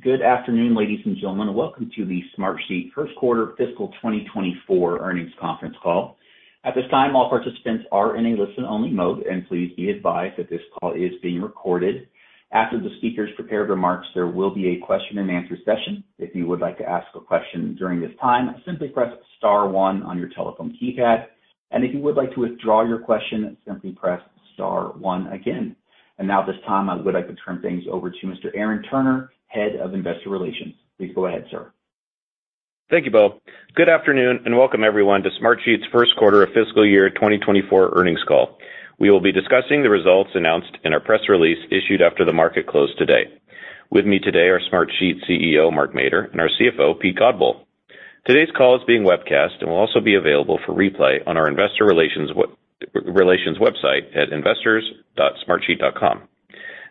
Good afternoon, ladies and gentlemen. Welcome to the Smartsheet Q1 Fiscal 2024 Earnings Conference Call. At this time, all participants are in a listen-only mode, and please be advised that this call is being recorded. After the speaker's prepared remarks, there will be a question-and-answer session. If you would like to ask a question during this time, simply press star one on your telephone keypad, and if you would like to withdraw your question, simply press star one again. Now, at this time, I would like to turn things over to Mr. Aaron Turner, Head of Investor Relations. Please go ahead, sir. Thank you, Bill. Good afternoon, and welcome everyone to Smartsheet's Q1 of Fiscal Year 2024 Earnings Call. We will be discussing the results announced in our press release issued after the market closed today. With me today are Smartsheet CEO, Mark Mader, and our CFO, Pete Godbole. Today's call is being webcast and will also be available for replay on our investor relations website at investors.smartsheet.com.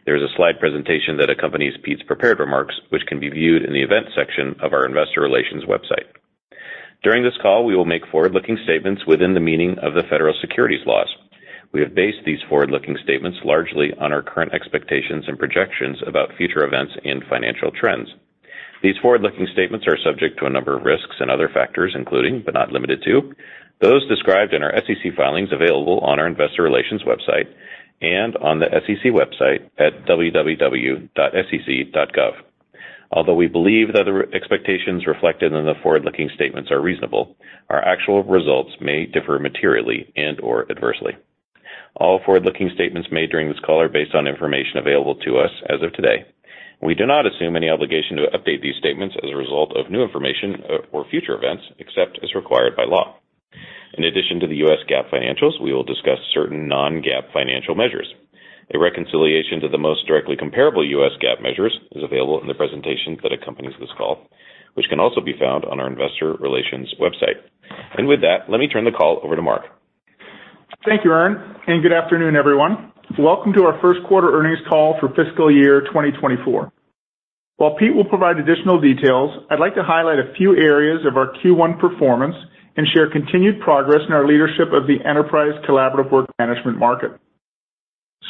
There is a slide presentation that accompanies Pete's prepared remarks, which can be viewed in the events section of our investor relations website. During this call, we will make forward-looking statements within the meaning of the federal securities laws. We have based these forward-looking statements largely on our current expectations and projections about future events and financial trends. These forward-looking statements are subject to a number of risks and other factors, including, but not limited to, those described in our SEC filings available on our investor relations website and on the SEC website at www.sec.gov. Although we believe that the expectations reflected in the forward-looking statements are reasonable, our actual results may differ materially and/or adversely. All forward-looking statements made during this call are based on information available to us as of today. We do not assume any obligation to update these statements as a result of new information or future events, except as required by law. In addition to the US GAAP financials, we will discuss certain non-GAAP financial measures. A reconciliation to the most directly comparable US GAAP measures is available in the presentation that accompanies this call, which can also be found on our investor relations website. With that, let me turn the call over to Mark. Thank you, Aaron. Good afternoon, everyone. Welcome to our Q1 Earnings Call for Fiscal Year 2024. While Pete will provide additional details, I'd like to highlight a few areas of our Q1 performance and share continued progress in our leadership of the enterprise collaborative work management market.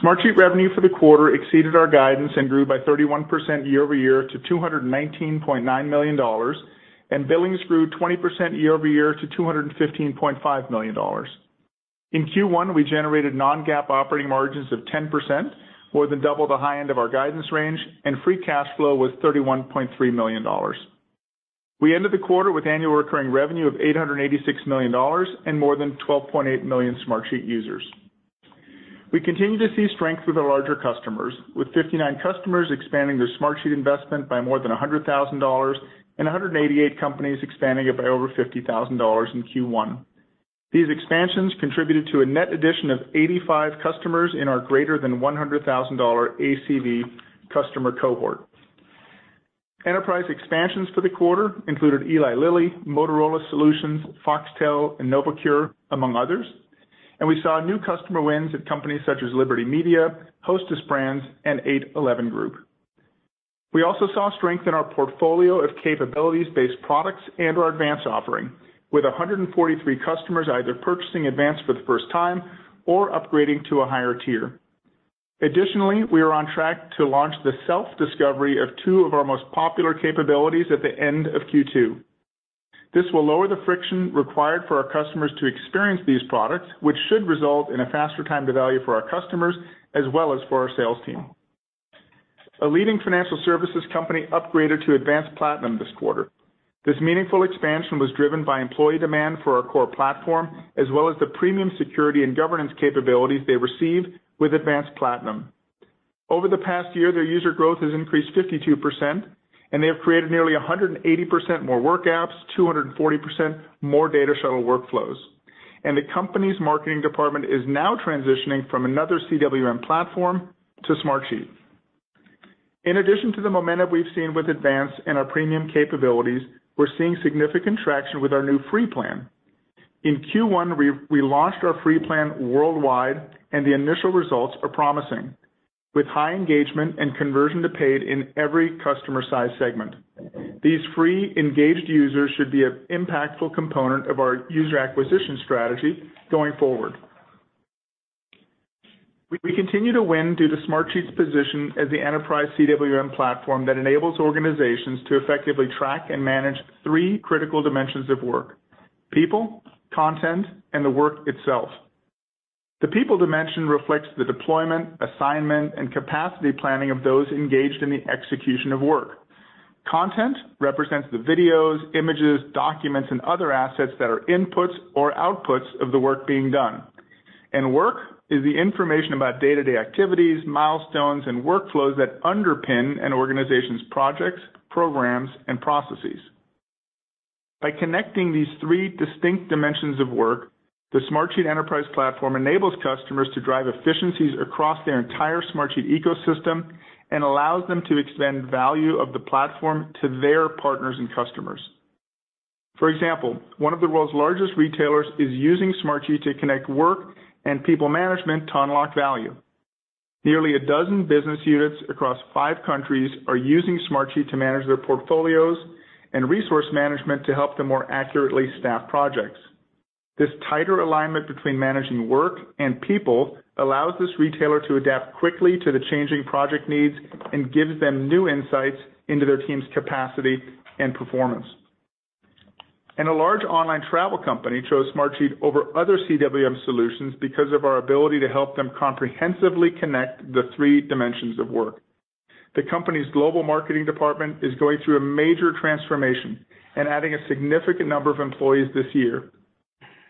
Smartsheet revenue for the quarter exceeded our guidance and grew by 31% year-over-year to $219.9 million, and billings grew 20% year-over-year to $215.5 million. In Q1, we generated non-GAAP operating margins of 10%, more than double the high end of our guidance range, and free cash flow was $31.3 million. We ended the quarter with annual recurring revenue of $886 million and more than 12.8 million Smartsheet users. We continue to see strength with our larger customers, with 59 customers expanding their Smartsheet investment by more than $100,000 and 188 companies expanding it by over $50,000 in Q1. These expansions contributed to a net addition of 85 customers in our greater than $100,000 ACV customer cohort. Enterprise expansions for the quarter included Eli Lilly, Motorola Solutions, Foxtel, and NovoCure, among others, and we saw new customer wins at companies such as Liberty Media, Hostess Brands, and Eight Eleven Group. We also saw strength in our portfolio of capabilities-based products and our advance offering, with 143 customers either purchasing Advance for the first time or upgrading to a higher tier. Additionally, we are on track to launch the self-discovery of two of our most popular capabilities at the end of Q2. This will lower the friction required for our customers to experience these products, which should result in a faster time to value for our customers, as well as for our sales team. A leading financial services company upgraded to Advance Platinum this quarter. This meaningful expansion was driven by employee demand for our core platform, as well as the premium security and governance capabilities they received with Advance Platinum. Over the past year, their user growth has increased 52%, and they have created nearly 180% more WorkApps, 240% more Data Shuttle workflows. The company's marketing department is now transitioning from another CWM platform to Smartsheet. In addition to the momentum we've seen with Advance and our premium capabilities, we're seeing significant traction with our new free plan. In Q1, we launched our free plan worldwide, and the initial results are promising. With high engagement and conversion to paid in every customer-size segment. These free, engaged users should be an impactful component of our user acquisition strategy going forward. We continue to win due to Smartsheet's position as the enterprise CWM platform that enables organizations to effectively track and manage three critical dimensions of work: people, content, and the work itself. The people dimension reflects the deployment, assignment, and capacity planning of those engaged in the execution of work. Content represents the videos, images, documents, and other assets that are inputs or outputs of the work being done. work is the information about day-to-day activities, milestones, and workflows that underpin an organization's projects, programs, and processes. By connecting these three distinct dimensions of work, the Smartsheet enterprise platform enables customers to drive efficiencies across their entire Smartsheet ecosystem and allows them to extend value of the platform to their partners and customers. For example, one of the world's largest retailers is using Smartsheet to connect work and people management to unlock value. Nearly 12 business units across five countries are using Smartsheet to manage their portfolios and resource management to help them more accurately staff projects. This tighter alignment between managing work and people allows this retailer to adapt quickly to the changing project needs and gives them new insights into their team's capacity and performance. A large online travel company chose Smartsheet over other CWM solutions because of our ability to help them comprehensively connect the three dimensions of work. The company's global marketing department is going through a major transformation and adding a significant number of employees this year.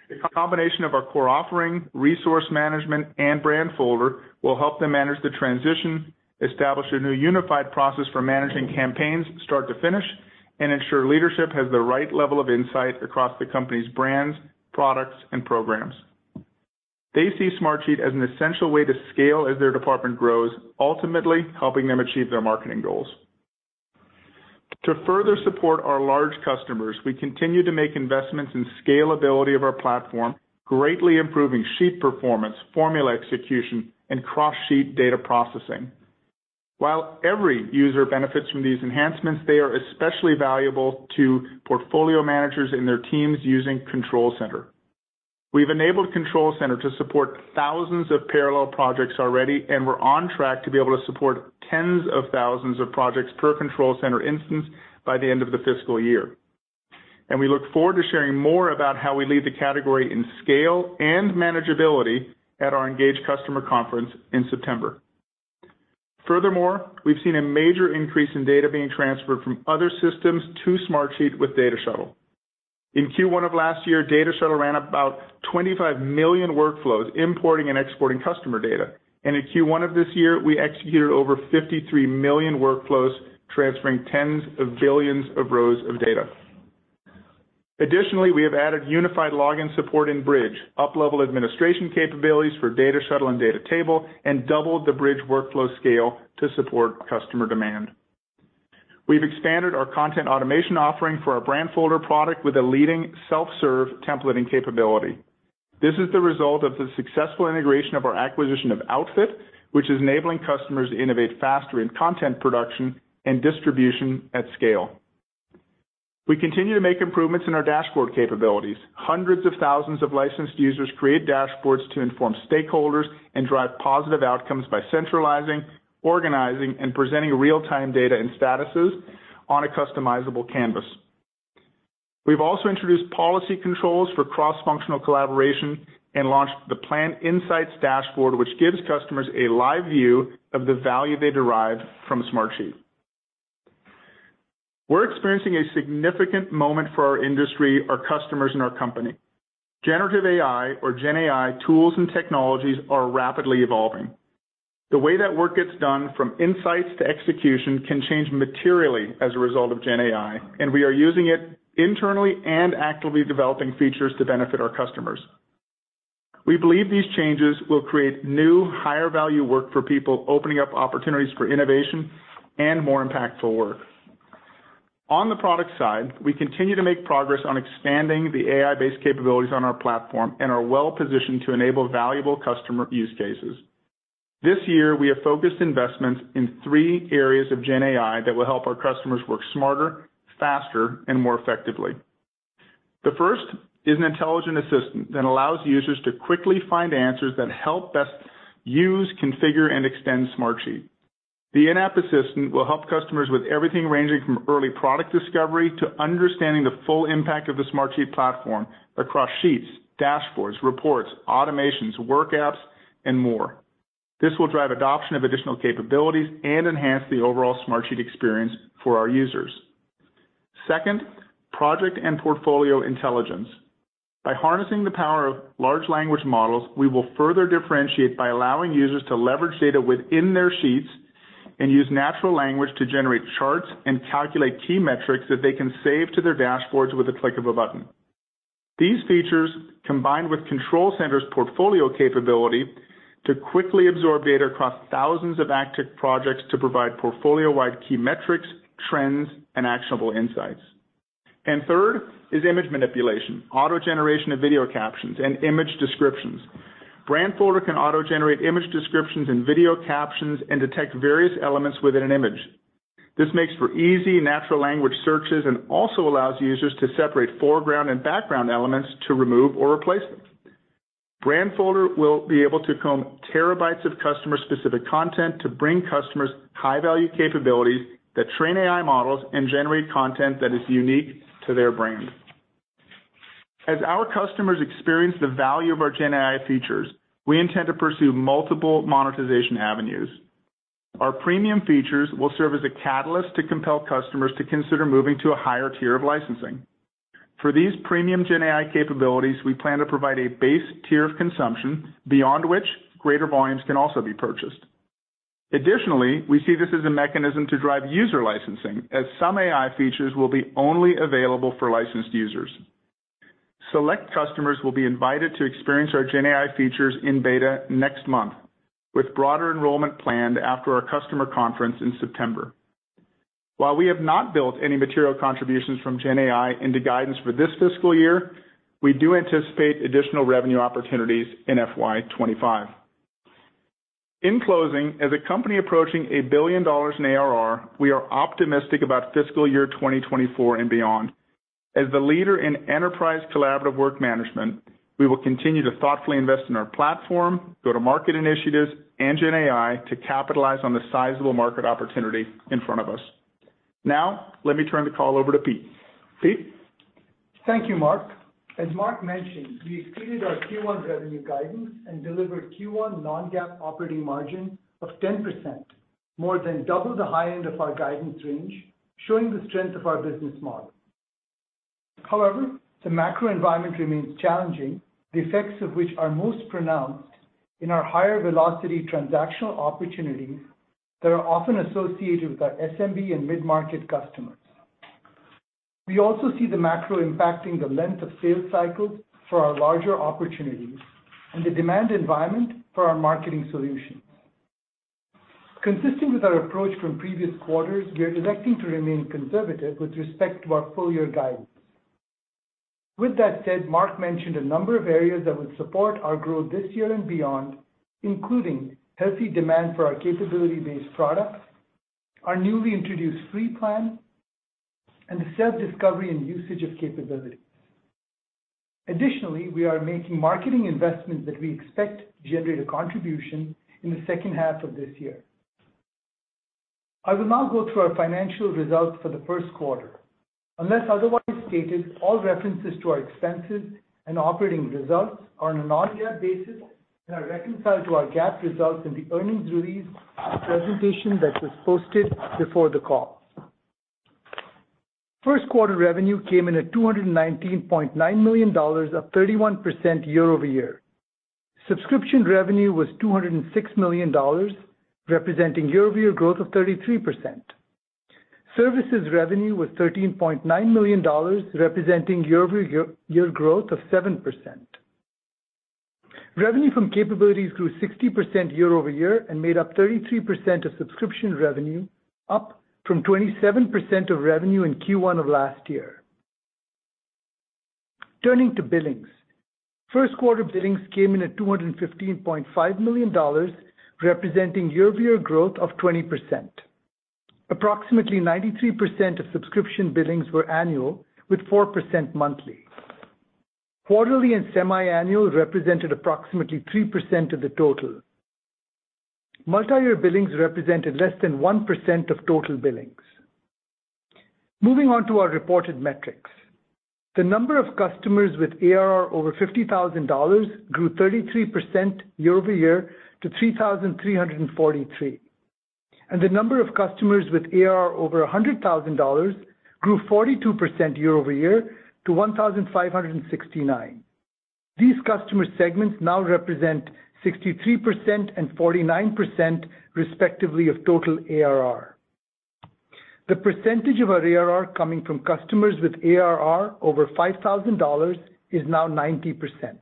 The combination of our core offering, resource management, and Brandfolder will help them manage the transition, establish a new unified process for managing campaigns start to finish, and ensure leadership has the right level of insight across the company's brands, products, and programs. They see Smartsheet as an essential way to scale as their department grows, ultimately helping them achieve their marketing goals. To further support our large customers, we continue to make investments in scalability of our platform, greatly improving sheet performance, formula execution, and cross-sheet data processing. While every user benefits from these enhancements, they are especially valuable to portfolio managers and their teams using Control Center. We've enabled Control Center to support thousands of parallel projects already. We're on track to be able to support tens of thousands of projects per Control Center instance by the end of the fiscal year. We look forward to sharing more about how we lead the category in scale and manageability at our ENGAGE Customer Conference in September. Furthermore, we've seen a major increase in data being transferred from other systems to Smartsheet with Data Shuttle. In Q1 of last year, Data Shuttle ran about 25 million workflows, importing and exporting customer data. In Q1 of this year, we executed over 53 million workflows, transferring tens of billions of rows of data. Additionally, we have added unified login support in Bridge, up-level administration capabilities for Data Shuttle and DataTable, and doubled the Bridge workflow scale to support customer demand. We've expanded our content automation offering for our Brandfolder product with a leading self-serve templating capability. This is the result of the successful integration of our acquisition of Outfit, which is enabling customers to innovate faster in content production and distribution at scale. We continue to make improvements in our dashboard capabilities. Hundreds of thousands of licensed users create dashboards to inform stakeholders and drive positive outcomes by centralizing, organizing, and presenting real-time data and statuses on a customizable canvas. We've also introduced policy controls for cross-functional collaboration and launched the Plan Insights dashboard, which gives customers a live view of the value they derive from Smartsheet. We're experiencing a significant moment for our industry, our customers, and our company. Generative AI, or GenAI, tools and technologies are rapidly evolving. The way that work gets done, from insights to execution, can change materially as a result of GenAI. We are using it internally and actively developing features to benefit our customers. We believe these changes will create new, higher-value work for people, opening up opportunities for innovation and more impactful work. On the product side, we continue to make progress on expanding the AI-based capabilities on our platform and are well-positioned to enable valuable customer use cases. This year, we have focused investments in three areas of GenAI that will help our customers work smarter, faster, and more effectively. The first is an intelligent assistant that allows users to quickly find answers that help best use, configure, and extend Smartsheet. The in-app assistant will help customers with everything ranging from early product discovery to understanding the full impact of the Smartsheet platform across sheets, dashboards, reports, automations, WorkApps, and more. This will drive adoption of additional capabilities and enhance the overall Smartsheet experience for our users. Second, project and portfolio intelligence. By harnessing the power of large language models, we will further differentiate by allowing users to leverage data within their sheets and use natural language to generate charts and calculate key metrics that they can save to their dashboards with a click of a button. These features, combined with Control Center's portfolio capability, to quickly absorb data across thousands of active projects to provide portfolio-wide key metrics, trends, and actionable insights. Third is image manipulation, auto-generation of video captions, and image descriptions. Brandfolder can auto-generate image descriptions and video captions, and detect various elements within an image. This makes for easy natural language searches and also allows users to separate foreground and background elements to remove or replace them. Brandfolder will be able to comb terabytes of customer-specific content to bring customers high-value capabilities that train AI models and generate content that is unique to their brand. As our customers experience the value of our GenAI features, we intend to pursue multiple monetization avenues. Our premium features will serve as a catalyst to compel customers to consider moving to a higher tier of licensing. For these premium GenAI capabilities, we plan to provide a base tier of consumption, beyond which greater volumes can also be purchased. Additionally, we see this as a mechanism to drive user licensing, as some AI features will be only available for licensed users. Select customers will be invited to experience our GenAI features in beta next month, with broader enrollment planned after our customer conference in September. While we have not built any material contributions from GenAI into guidance for this fiscal year, we do anticipate additional revenue opportunities in FY 2025. In closing, as a company approaching $1 billion in ARR, we are optimistic about fiscal year 2024 and beyond. As the leader in enterprise collaborative work management, we will continue to thoughtfully invest in our platform, go-to-market initiatives, and GenAI to capitalize on the sizable market opportunity in front of us. Now, let me turn the call over to Pete. Pete? Thank you, Mark. As Mark mentioned, we exceeded our Q1 revenue guidance and delivered Q1 non-GAAP operating margin of 10%, more than double the high end of our guidance range, showing the strength of our business model. The macro environment remains challenging, the effects of which are most pronounced in our higher-velocity transactional opportunities that are often associated with our SMB and mid-market customers. We also see the macro impacting the length of sales cycles for our larger opportunities and the demand environment for our marketing solutions. Consistent with our approach from previous quarters, we are electing to remain conservative with respect to our full-year guidance. With that said, Mark mentioned a number of areas that would support our growth this year and beyond, including healthy demand for our capability-based products, our newly introduced free plan, and the self-discovery and usage of capabilities. Additionally, we are making marketing investments that we expect to generate a contribution in the second half of this year. I will now go through our financial results for the Q1. Unless otherwise stated, all references to our expenses and operating results are on a non-GAAP basis and are reconciled to our GAAP results in the earnings release presentation that was posted before the call. Q1 revenue came in at $219.9 million, up 31% year-over-year. Subscription revenue was $206 million, representing year-over-year growth of 33%. Services revenue was $13.9 million, representing year-over-year growth of 7%. Revenue from capabilities grew 60% year-over-year and made up 33% of subscription revenue, up from 27% of revenue in Q1 of last year. Turning to billings. Q1 billings came in at $215.5 million, representing year-over-year growth of 20%. Approximately 93% of subscription billings were annual, with 4% monthly. Quarterly and semiannual represented approximately 3% of the total. Multiyear billings represented less than 1% of total billings. Moving on to our reported metrics. The number of customers with ARR over $50,000 grew 33% year-over-year to 3,343, and the number of customers with ARR over $100,000 grew 42% year-over-year to 1,569. These customer segments now represent 63% and 49%, respectively, of total ARR. The percentage of our ARR coming from customers with ARR over $5,000 is now 90%.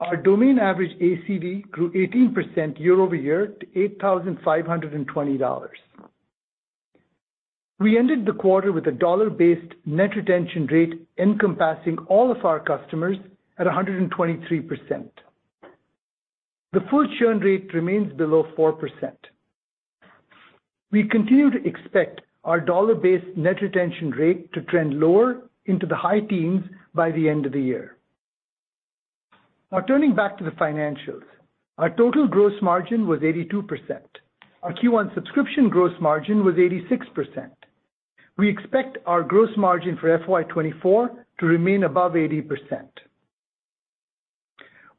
Our domain average ACV grew 18% year-over-year to $8,520. We ended the quarter with a dollar-based net retention rate encompassing all of our customers at 123%. The full churn rate remains below 4%. We continue to expect our dollar-based net retention rate to trend lower into the high teens by the end of the year. Turning back to the financials. Our total gross margin was 82%. Our Q1 subscription gross margin was 86%. We expect our gross margin for FY '24 to remain above 80%.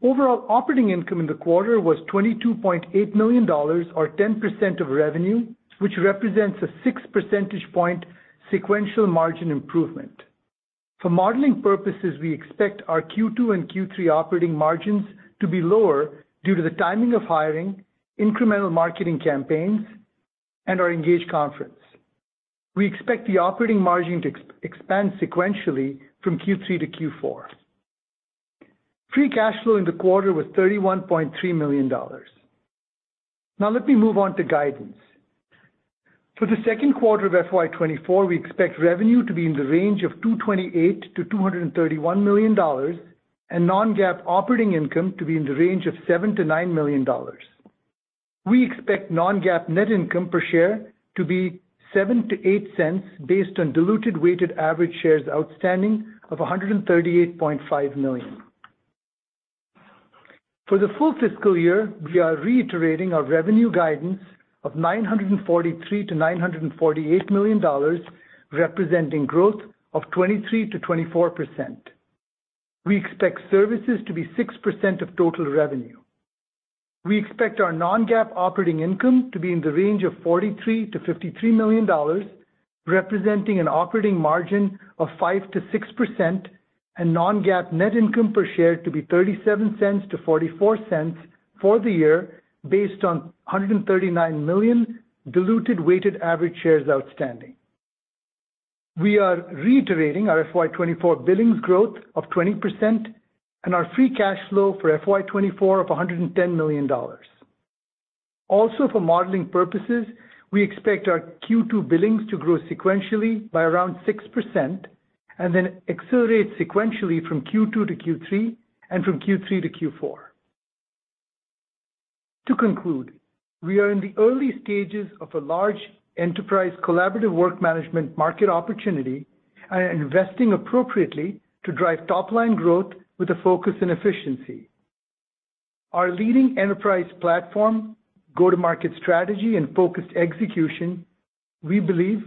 Overall operating income in the quarter was $22.8 million, or 10% of revenue, which represents a 6 percentage point sequential margin improvement. For modeling purposes, we expect our Q2 and Q3 operating margins to be lower due to the timing of hiring, incremental marketing campaigns, and our ENGAGE conference. We expect the operating margin to expand sequentially from Q3 to Q4. Free cash flow in the quarter was $31.3 million. Now, let me move on to guidance. For the Q2 of FY 2024, we expect revenue to be in the range of $228 to 231 million, and non-GAAP operating income to be in the range of $7 to 9 million. We expect non-GAAP net income per share to be $0.07 to $0.8, based on diluted weighted average shares outstanding of 138.5 million. For the full fiscal year, we are reiterating our revenue guidance of $943 to 948 million, representing growth of 23% to 24%. We expect services to be 6% of total revenue. We expect our non-GAAP operating income to be in the range of $43 to 53 million, representing an operating margin of 5%-6%, and non-GAAP net income per share to be $0.37 to $0.44 for the year, based on 139 million diluted weighted average shares outstanding. We are reiterating our FY '24 billings growth of 20% and our free cash flow for FY '24 of $110 million. For modeling purposes, we expect our Q2 billings to grow sequentially by around 6%, and then accelerate sequentially from Q2 to Q3 and from Q3 to Q4. To conclude, we are in the early stages of a large enterprise collaborative work management market opportunity and are investing appropriately to drive top line growth with a focus in efficiency. Our leading enterprise platform, go-to-market strategy, and focused execution, we believe,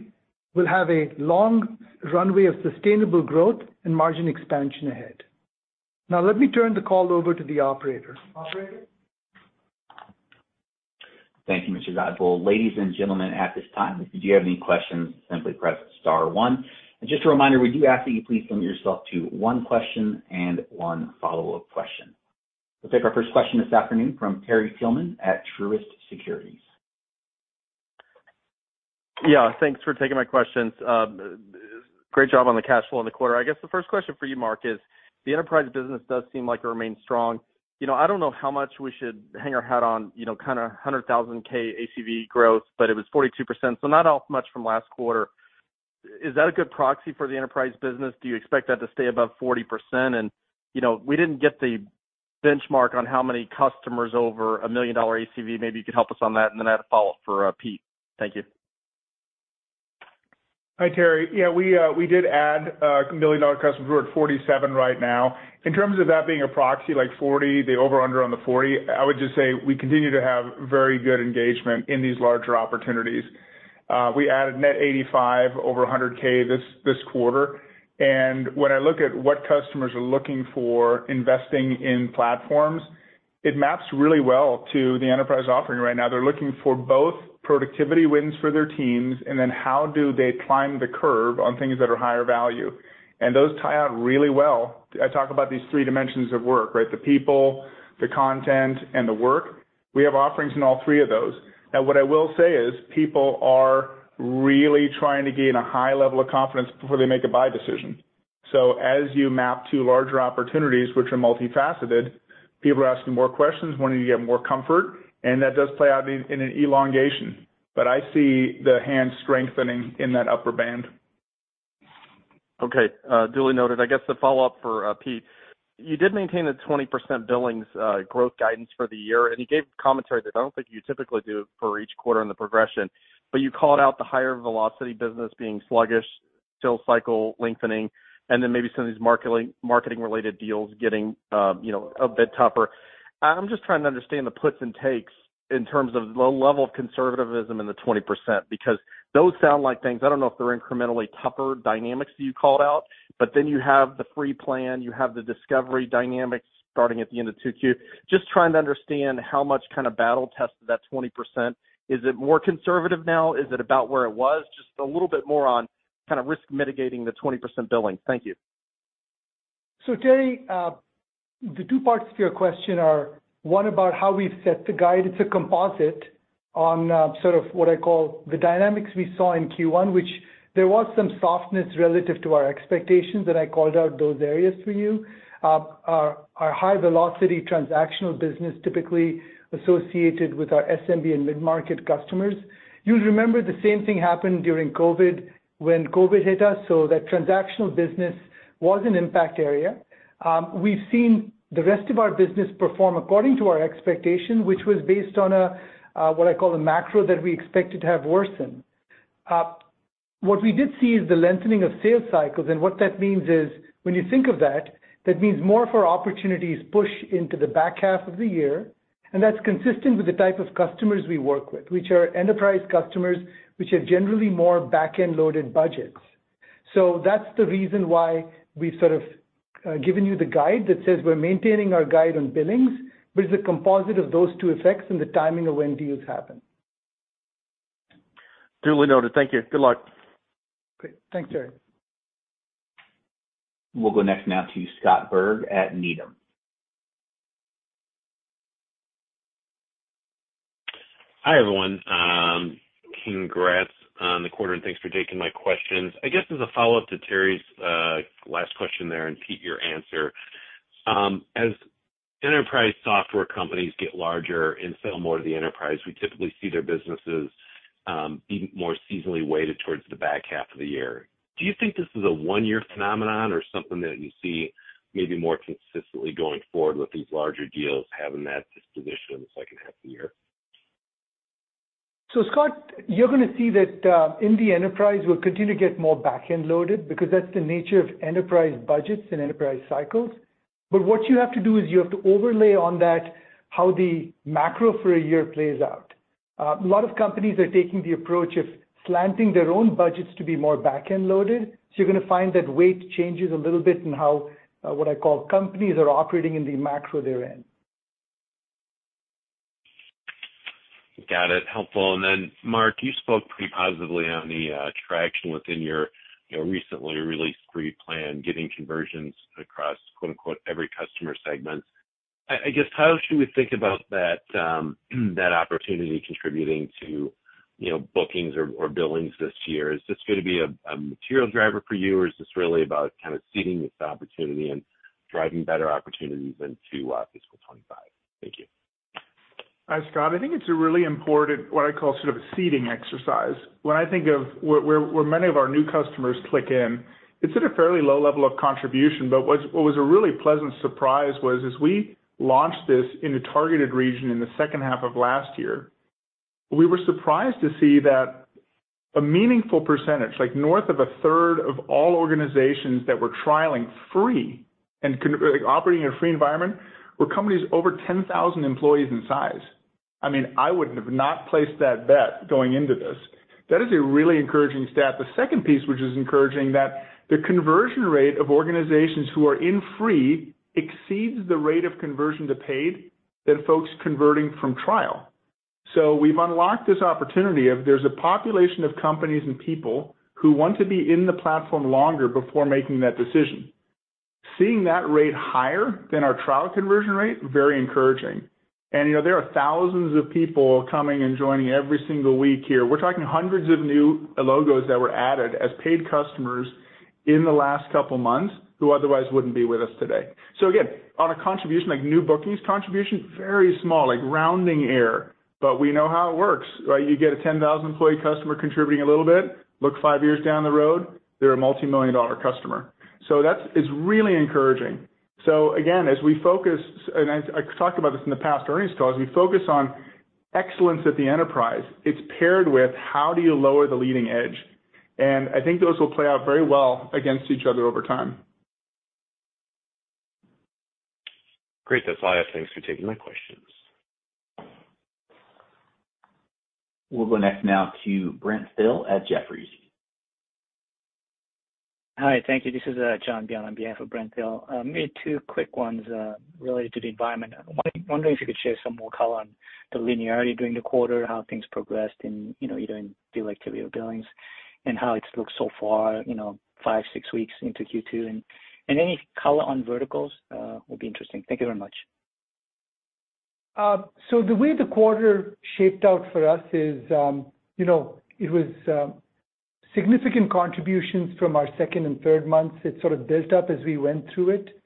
will have a long runway of sustainable growth and margin expansion ahead. Now let me turn the call over to the operator. Operator? Thank you, Mr. Godbole. Ladies and gentlemen, at this time, if you do you have any questions, simply press star one. Just a reminder, we do ask that you please limit yourself to one question and one follow-up question. We'll take our first question this afternoon from Terry Tillman at Truist Securities. Yeah, thanks for taking my questions. Great job on the cash flow in the quarter. I guess the first question for you, Mark, is the enterprise business does seem like it remains strong. You know, I don't know how much we should hang our hat on, you know, kind of 100,000 K ACV growth, but it was 42%, so not off much from last quarter. Is that a good proxy for the enterprise business? Do you expect that to stay above 40%? You know, we didn't get the benchmark on how many customers over a $1 million ACV. Maybe you could help us on that, and then I have a follow-up for Pete. Thank you. Hi, Terry. Yeah, we did add $1 million customers. We're at 47 right now. In terms of that being a proxy, like 40, the over, under on the 40, I would just say we continue to have very good engagement in these larger opportunities. We added net 85 over 100K this quarter, and when I look at what customers are looking for investing in platforms, it maps really well to the enterprise offering right now. They're looking for both productivity wins for their teams and then how do they climb the curve on things that are higher value. Those tie out really well. I talk about these three dimensions of work, right? The people, the content, and the work. We have offerings in all three of those. What I will say is, people are really trying to gain a high level of confidence before they make a buy decision. As you map to larger opportunities, which are multifaceted, people are asking more questions, wanting to get more comfort, and that does play out in an elongation. I see the hand strengthening in that upper band. Okay, duly noted. I guess the follow-up for Pete. You did maintain the 20% billings growth guidance for the year, and you gave commentary that I don't think you typically do for each quarter in the progression, but you called out the higher velocity business being sluggish, sales cycle lengthening, and then maybe some of these marketing-related deals getting, you know, a bit tougher. I'm just trying to understand the puts and takes in terms of the level of conservativism in the 20%, because those sound like things, I don't know if they're incrementally tougher dynamics that you called out, but then you have the free plan, you have the discovery dynamics starting at the end of Q2. Just trying to understand how much kind of battle test is that 20%. Is it more conservative now? Is it about where it was? Just a little bit more on kind of risk mitigating the 20% billing. Thank you. Terry, the two parts to your question are, one, about how we've set the guide. It's a composite on, sort of what I call the dynamics we saw in Q1, which there was some softness relative to our expectations, and I called out those areas for you. Our high-velocity transactional business, typically associated with our SMB and mid-market customers. You'll remember the same thing happened during COVID, when COVID hit us, so that transactional business was an impact area. We've seen the rest of our business perform according to our expectation, which was based on a, what I call a macro that we expected to have worsened. What we did see is the lengthening of sales cycles, and what that means is when you think of that means more of our opportunities push into the back half of the year, and that's consistent with the type of customers we work with, which are enterprise customers, which have generally more back-end loaded budgets. That's the reason why we've sort of given you the guide that says we're maintaining our guide on billings, but it's a composite of those two effects and the timing of when deals happen. Duly noted. Thank you. Good luck. Great. Thanks, Terry. We'll go next now to Scott Berg at Needham. Hi, everyone. Congrats on the quarter, and thanks for taking my questions. I guess as a follow-up to Terry's last question there, and Pete, your answer, as enterprise software companies get larger and sell more to the enterprise, we typically see their businesses being more seasonally weighted towards the back half of the year. Do you think this is a one-year phenomenon or something that you see maybe more consistently going forward with these larger deals having that disposition in the second half of the year? Scott, you're gonna see that in the enterprise, we'll continue to get more back-end loaded because that's the nature of enterprise budgets and enterprise cycles. What you have to do is you have to overlay on that how the macro for a year plays out. A lot of companies are taking the approach of slanting their own budgets to be more back-end loaded, so you're gonna find that weight changes a little bit in how what I call companies are operating in the macro they're in. Got it. Helpful. Mark, you spoke pretty positively on the traction within your, you know, recently released free plan, getting conversions across, quote-unquote, "Every customer segment." I guess, how should we think about that opportunity contributing to-... you know, bookings or billings this year, is this going to be a material driver for you, or is this really about kind of seeding this opportunity and driving better opportunities into FY 2025? Thank you. Hi, Scott. I think it's a really important, what I call sort of a seeding exercise. When I think of where many of our new customers click in, it's at a fairly low level of contribution, but what was a really pleasant surprise was, as we launched this in a targeted region in the second half of last year, we were surprised to see that a meaningful percentage, like north of a third of all organizations that were trialing free and operating in a free environment, were companies over 10,000 employees in size. I mean, I would have not placed that bet going into this. That is a really encouraging stat. The second piece, which is encouraging, that the conversion rate of organizations who are in free exceeds the rate of conversion to paid than folks converting from trial. We've unlocked this opportunity of there's a population of companies and people who want to be in the platform longer before making that decision. Seeing that rate higher than our trial conversion rate, very encouraging. You know, there are thousands of people coming and joining every single week here. We're talking hundreds of new logos that were added as paid customers in the last couple of months, who otherwise wouldn't be with us today. Again, on a contribution, like, new bookings contribution, very small, like, rounding error. We know how it works, right? You get a 10,000 employee customer contributing a little bit, look five years down the road, they're a multimillion-dollar customer. That's really encouraging. Again, as we focus, and I talked about this in the past earnings calls, we focus on excellence at the enterprise. It's paired with how do you lower the leading edge? I think those will play out very well against each other over time. Great. That's all I have. Thanks for taking my questions. We'll go next now to Brent Thill at Jefferies. Hi, thank you. This is Sang-Jin Byun on behalf of Brent Thill. Maybe two quick ones related to the environment. I'm wondering if you could share some more color on the linearity during the quarter, how things progressed in, you know, either in deal activity or billings, and how it's looked so far, you know, five, six weeks into Q2, and any color on verticals will be interesting. Thank you very much. The way the quarter shaped out for us is, you know, it was significant contributions from our second and third months. It sort of built up as we went through it.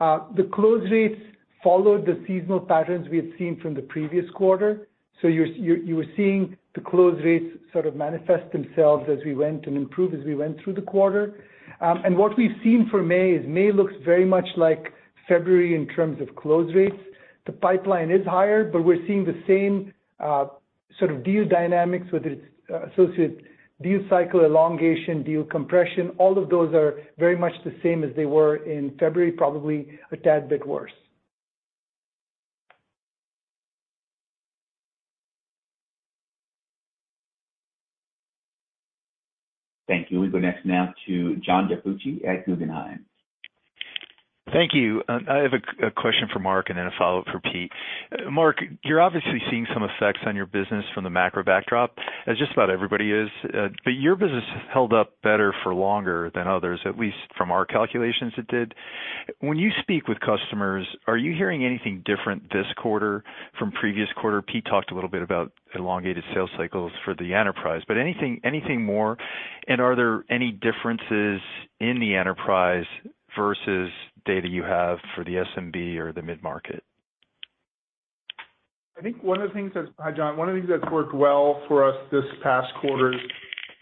The close rates followed the seasonal patterns we had seen from the previous quarter. You were seeing the close rates sort of manifest themselves as we went, and improve as we went through the quarter. What we've seen for May is May looks very much like February in terms of close rates. The pipeline is higher, but we're seeing the same sort of deal dynamics with its associated deal cycle, elongation, deal compression. All of those are very much the same as they were in February, probably a tad bit worse. Thank you. We go next now to John DiFucci at Guggenheim. Thank you. I have a question for Mark, and then a follow-up for Pete. Mark, you're obviously seeing some effects on your business from the macro backdrop, as just about everybody is, but your business has held up better for longer than others, at least from our calculations, it did. When you speak with customers, are you hearing anything different this quarter from previous quarter? Pete talked a little bit about elongated sales cycles for the enterprise, but anything more? Are there any differences in the enterprise versus data you have for the SMB or the mid-market? Hi, John. One of the things that's worked well for us this past quarter,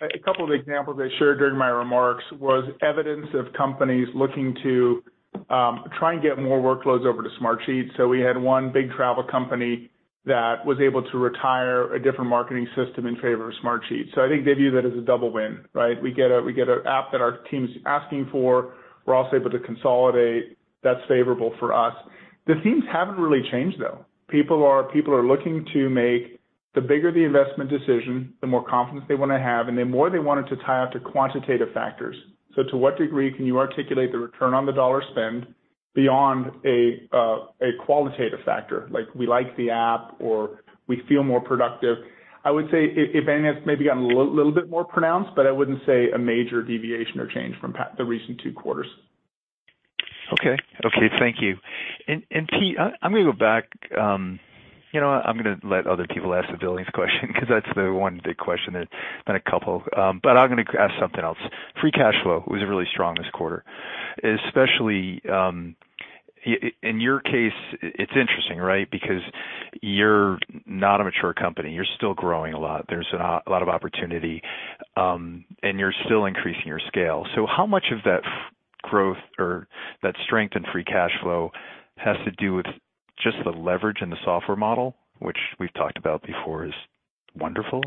a couple of examples I shared during my remarks, was evidence of companies looking to try and get more workloads over to Smartsheet. We had one big travel company that was able to retire a different marketing system in favor of Smartsheet. I think they view that as a double win, right? We get an app that our team's asking for. We're also able to consolidate. That's favorable for us. The themes haven't really changed, though. People are looking to make the bigger the investment decision, the more confidence they want to have, and the more they want it to tie out to quantitative factors. To what degree can you articulate the return on the dollar spend beyond a qualitative factor, like, "We like the app," or, "We feel more productive"? I would say if anything, it's maybe gotten a little bit more pronounced, but I wouldn't say a major deviation or change from the recent two quarters. Okay. Okay, thank you. Pete, I'm gonna go back, you know, I'm gonna let other people ask the billings question, because that's the one big question that... been a couple. I'm gonna ask something else. Free cash flow was really strong this quarter, especially, in your case, it's interesting, right? Because you're not a mature company, you're still growing a lot. There's a lot of opportunity, and you're still increasing your scale. How much of that growth or that strength in free cash flow has to do with just the leverage in the software model, which we've talked about before, is wonderful,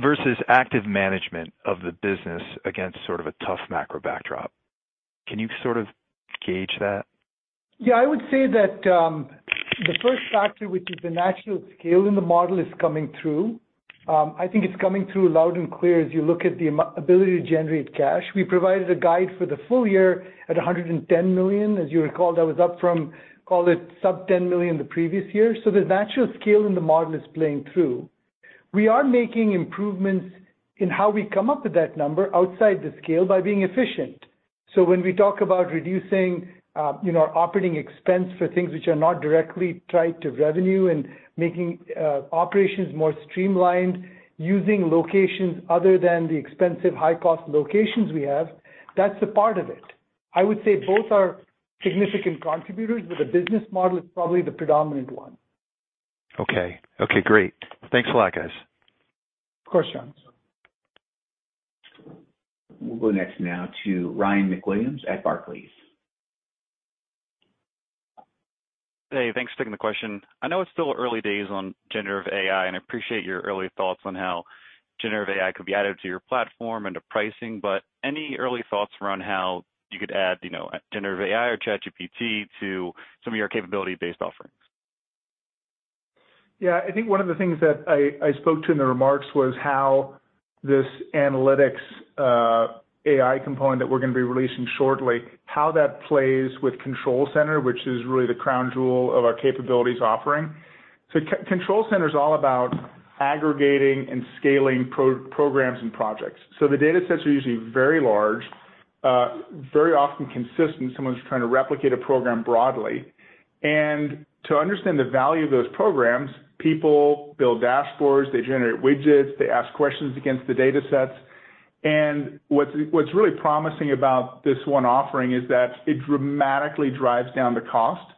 versus active management of the business against sort of a tough macro backdrop? Can you sort of gauge that? I would say that the first factor, which is the natural scale in the model, is coming through. I think it's coming through loud and clear as you look at the ability to generate cash. We provided a guide for the full year at $110 million. As you recall, that was up from, call it, sub $10 million the previous year. The natural scale in the model is playing through. We are making improvements in how we come up with that number outside the scale by being efficient. When we talk about reducing, you know, our operating expense for things which are not directly tied to revenue and making operations more streamlined, using locations other than the expensive, high-cost locations we have, that's a part of it. I would say both are significant contributors, but the business model is probably the predominant one. Okay. Okay, great. Thanks a lot, guys. Of course, John. We'll go next now to Ryan McWilliams at Barclays. Hey, thanks for taking the question. I know it's still early days on generative AI, and I appreciate your early thoughts on how generative AI could be added to your platform and to pricing, but any early thoughts around how you could add, you know, generative AI or ChatGPT to some of your capability-based offerings? Yeah, I think one of the things that I spoke to in the remarks was how this analytics AI component that we're gonna be releasing shortly, how that plays with Control Center, which is really the crown jewel of our capabilities offering. Control Center is all about aggregating and scaling programs and projects. The datasets are usually very large, very often consistent, someone who's trying to replicate a program broadly. To understand the value of those programs, people build dashboards, they generate widgets, they ask questions against the datasets. What's really promising about this one offering is that it dramatically drives down the cost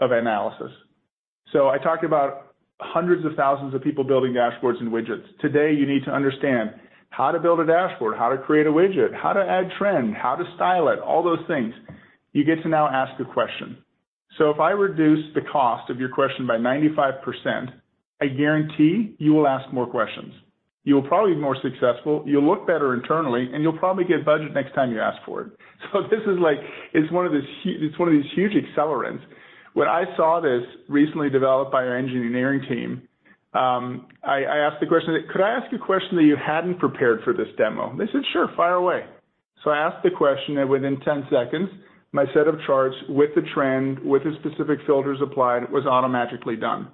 of analysis. I talked about hundreds of thousands of people building dashboards and widgets. Today, you need to understand how to build a dashboard, how to create a widget, how to add trend, how to style it, all those things. You get to now ask a question. If I reduce the cost of your question by 95%, I guarantee you will ask more questions. You'll probably be more successful, you'll look better internally, and you'll probably get budget next time you ask for it. This is like, it's one of those it's one of these huge accelerants. When I saw this recently developed by our engineering team, I asked the question, "Could I ask a question that you hadn't prepared for this demo?" They said, "Sure, fire away." I asked the question, and within 10 seconds, my set of charts with the trend, with the specific filters applied, was automatically done.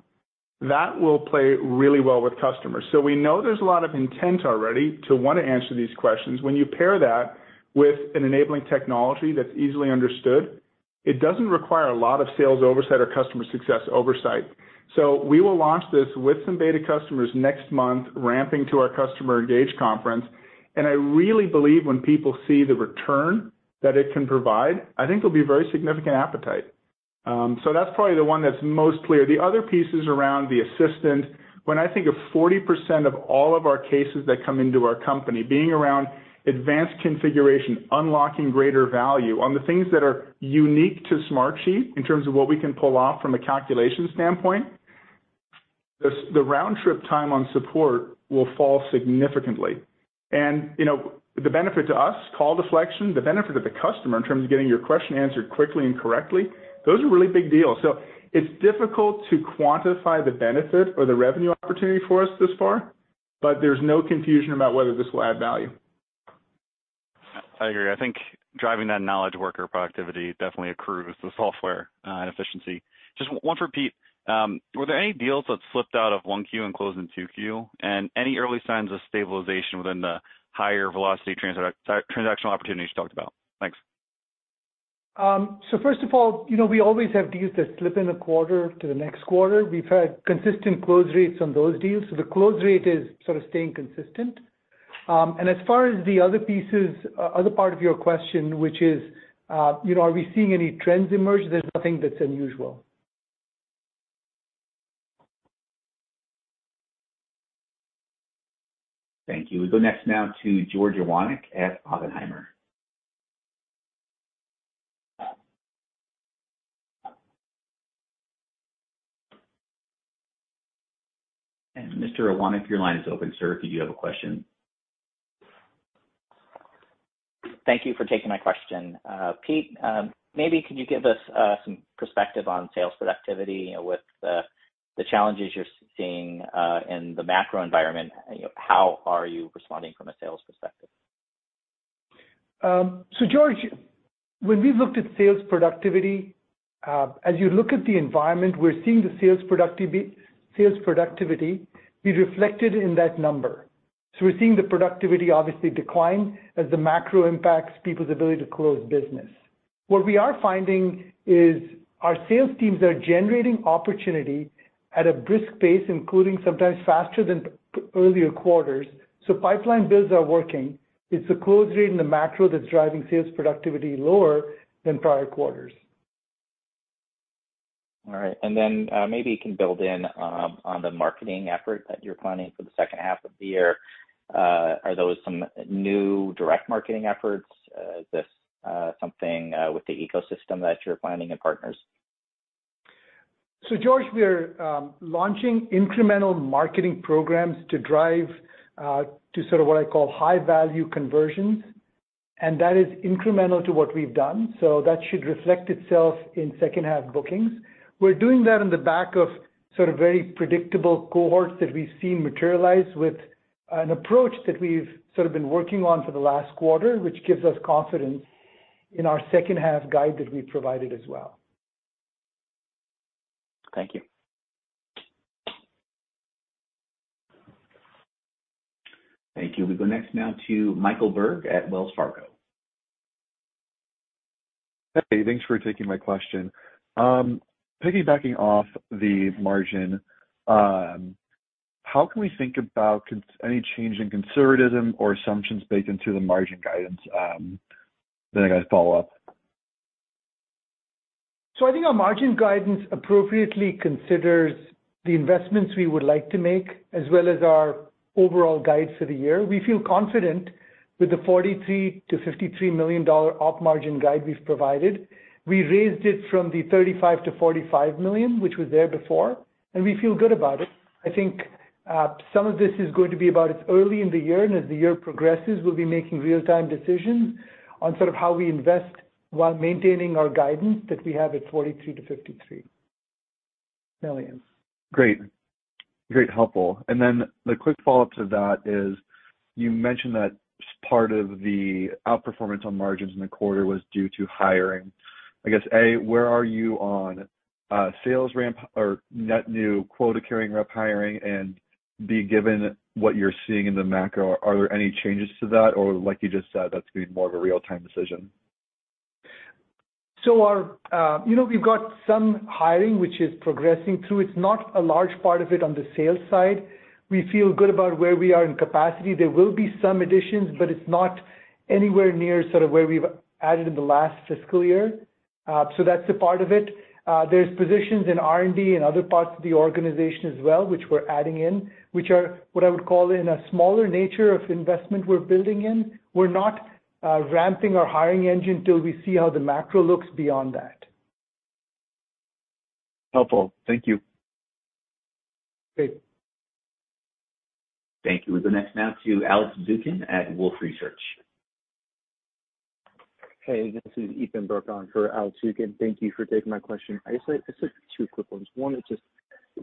That will play really well with customers. We know there's a lot of intent already to want to answer these questions. When you pair that with an enabling technology that's easily understood, it doesn't require a lot of sales oversight or customer success oversight. We will launch this with some beta customers next month, ramping to our ENGAGE conference. I really believe when people see the return that it can provide, I think there'll be very significant appetite. That's probably the one that's most clear. The other piece is around the assistant. When I think of 40% of all of our cases that come into our company being around advanced configuration, unlocking greater value on the things that are unique to Smartsheet in terms of what we can pull off from a calculation standpoint, the round-trip time on support will fall significantly. You know, the benefit to us, call deflection, the benefit of the customer in terms of getting your question answered quickly and correctly, those are really big deals. It's difficult to quantify the benefit or the revenue opportunity for us this far, but there's no confusion about whether this will add value. I agree. I think driving that knowledge worker productivity definitely accrues the software, and efficiency. Just one for Pete. Were there any deals that slipped out of 1Q and closed in 2Q? Any early signs of stabilization within the higher velocity transactional opportunities you talked about? Thanks. First of all, you know, we always have deals that slip in a quarter to the next quarter. We've had consistent close rates on those deals, so the close rate is sort of staying consistent. As far as the other pieces, other part of your question, which is, you know, are we seeing any trends emerge? There's nothing that's unusual. Thank you. We go next now to George Iwanyc at Oppenheimer. Mr. Iwanyc, your line is open, sir. Could you have a question? Thank you for taking my question. Pete, maybe could you give us some perspective on sales productivity, you know, with the challenges you're seeing in the macro environment, you know, how are you responding from a sales perspective? George, when we looked at sales productivity, as you look at the environment, we're seeing the sales productivity be reflected in that number. We're seeing the productivity obviously decline as the macro impacts people's ability to close business. What we are finding is our sales teams are generating opportunity at a brisk pace, including sometimes faster than earlier quarters. Pipeline builds are working. It's the close rate in the macro that's driving sales productivity lower than prior quarters. All right. Maybe you can build in on the marketing effort that you're planning for the second half of the year. Are those some new direct marketing efforts? Is this something with the ecosystem that you're planning in partners? George, we're launching incremental marketing programs to drive to sort of what I call high-value conversions. That is incremental to what we've done. That should reflect itself in second half bookings. We're doing that on the back of sort of very predictable cohorts that we've seen materialize with an approach that we've sort of been working on for the last quarter, which gives us confidence in our second half guide that we provided as well. Thank you. Thank you. We go next now to Michael Berg at Wells Fargo. Hey, thanks for taking my question. Piggybacking off the margin, how can we think about any change in conservatism or assumptions baked into the margin guidance? I got a follow-up. I think our margin guidance appropriately considers the investments we would like to make, as well as our overall guides for the year. We feel confident with the $43 to 53 million op margin guide we've provided. We raised it from the $35 to 45 million, which was there before, we feel good about it. I think some of this is going to be about it's early in the year, as the year progresses, we'll be making real-time decisions on sort of how we invest while maintaining our guidance that we have at $43 to 53 million. Great. Great, helpful. The quick follow-up to that is, you mentioned that part of the outperformance on margins in the quarter was due to hiring. I guess, where are you on sales ramp or net new quota carrying rep hiring? Given what you're seeing in the macro, are there any changes to that, or like you just said, that's going to be more of a real-time decision? Our... You know, we've got some hiring, which is progressing through. It's not a large part of it on the sales side. We feel good about where we are in capacity. There will be some additions, but it's not anywhere near sort of where we've added in the last fiscal year. So that's a part of it. There's positions in R&D and other parts of the organization as well, which we're adding in, which are what I would call in a smaller nature of investment we're building in. We're not ramping our hiring engine till we see how the macro looks beyond that. Helpful. Thank you. Great. Thank you. We go next now to Alex Zukin at Wolfe Research. Hey, this is Ethan Bruck for Alex Zukin. Thank you for taking my question. I just have two quick ones. One is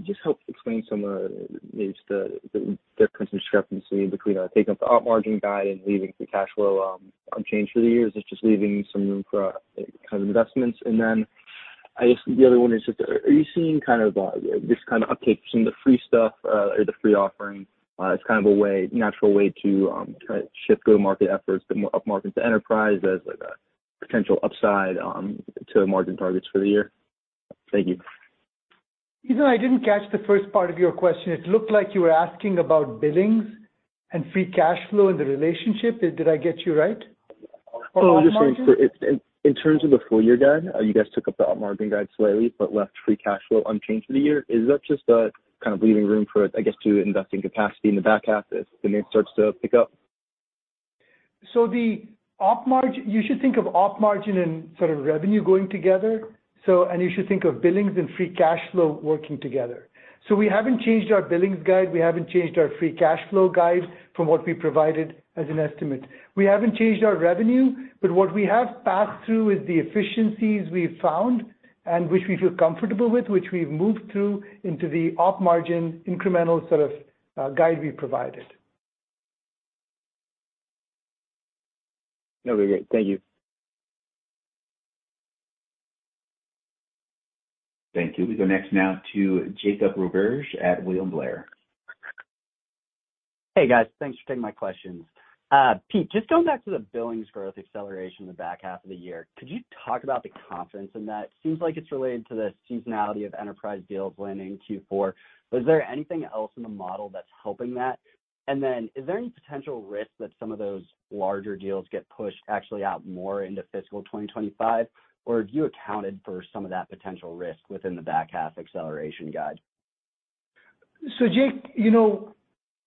just help explain some of maybe the difference in discrepancy between taking up the op margin guide and leaving the cash flow unchanged for the years. It's just leaving some room for kind of investments. I guess the other one is just, are you seeing kind of this kind of uptake from the free stuff or the free offering as kind of a way, natural way to kind of shift go-to-market efforts to upmarket to enterprise as, like, a potential upside to the margin targets for the year? Thank you. Ethan, I didn't catch the first part of your question. It looked like you were asking about billings and free cash flow and the relationship. Did I get you right? Just in terms of the full year guide, you guys took up the op margin guide slightly, but left free cash flow unchanged for the year. Is that just, kind of leaving room for, I guess, to invest in capacity in the back half as demand starts to pick up? The OP margin. You should think of OP margin and sort of revenue going together. You should think of billings and free cash flow working together. We haven't changed our billings guide, we haven't changed our free cash flow guide from what we provided as an estimate. We haven't changed our revenue, but what we have passed through is the efficiencies we've found and which we feel comfortable with, which we've moved through into the op margin incremental sort of guide we've provided. Okay, great. Thank you. Thank you. We go next now to Jake Roberge at William Blair. Hey, guys. Thanks for taking my questions. Pete, just going back to the billings growth acceleration in the back half of the year, could you talk about the confidence in that? It seems like it's related to the seasonality of enterprise deals landing in Q4. Is there anything else in the model that's helping that? Is there any potential risk that some of those larger deals get pushed actually out more into fiscal 2025, or have you accounted for some of that potential risk within the back half acceleration guide? Jake, you know,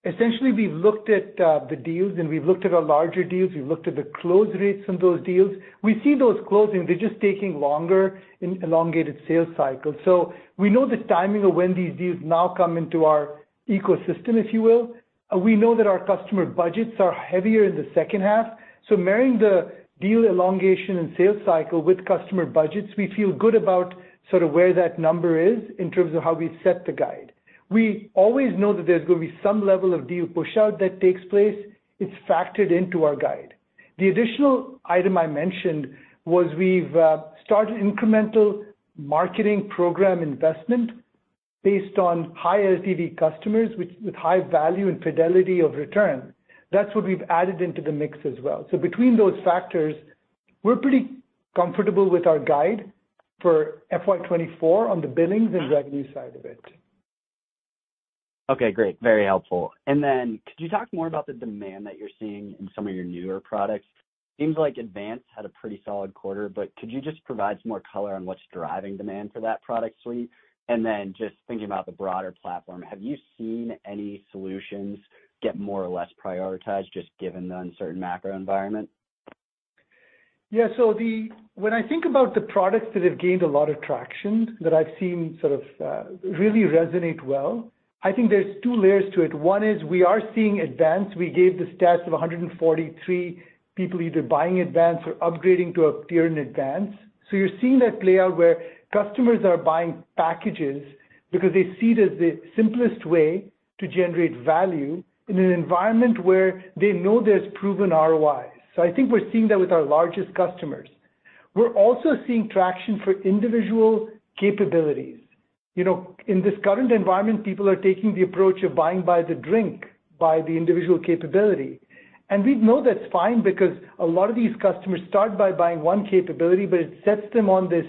essentially, we've looked at the deals, and we've looked at our larger deals. We've looked at the close rates on those deals. We see those closing. They're just taking longer in elongated sales cycles. We know the timing of when these deals now come into our ecosystem, if you will. We know that our customer budgets are heavier in the second half. Marrying the deal elongation and sales cycle with customer budgets, we feel good about sort of where that number is in terms of how we set the guide. We always know that there's going to be some level of deal pushout that takes place. It's factored into our guide. The additional item I mentioned was we've started incremental marketing program investment based on high LTV customers with high value and fidelity of return. That's what we've added into the mix as well. Between those factors, we're pretty comfortable with our guide for FY 2024 on the billings and revenue side of it. Okay, great. Very helpful. Could you talk more about the demand that you're seeing in some of your newer products? Seems like Advance had a pretty solid quarter, could you just provide some more color on what's driving demand for that product suite? Just thinking about the broader platform, have you seen any solutions get more or less prioritized, just given the uncertain macro environment? Yeah, when I think about the products that have gained a lot of traction, that I've seen sort of, really resonate well, I think there's two layers to it. One is we are seeing Advance. We gave the stats of 143 people either buying Advance or upgrading to Advance Platinum. You're seeing that play out where customers are buying packages because they see it as the simplest way to generate value in an environment where they know there's proven ROI. I think we're seeing that with our largest customers. We're also seeing traction for individual capabilities. You know, in this current environment, people are taking the approach of buying by the drink, by the individual capability. We know that's fine because a lot of these customers start by buying one capability, but it sets them on this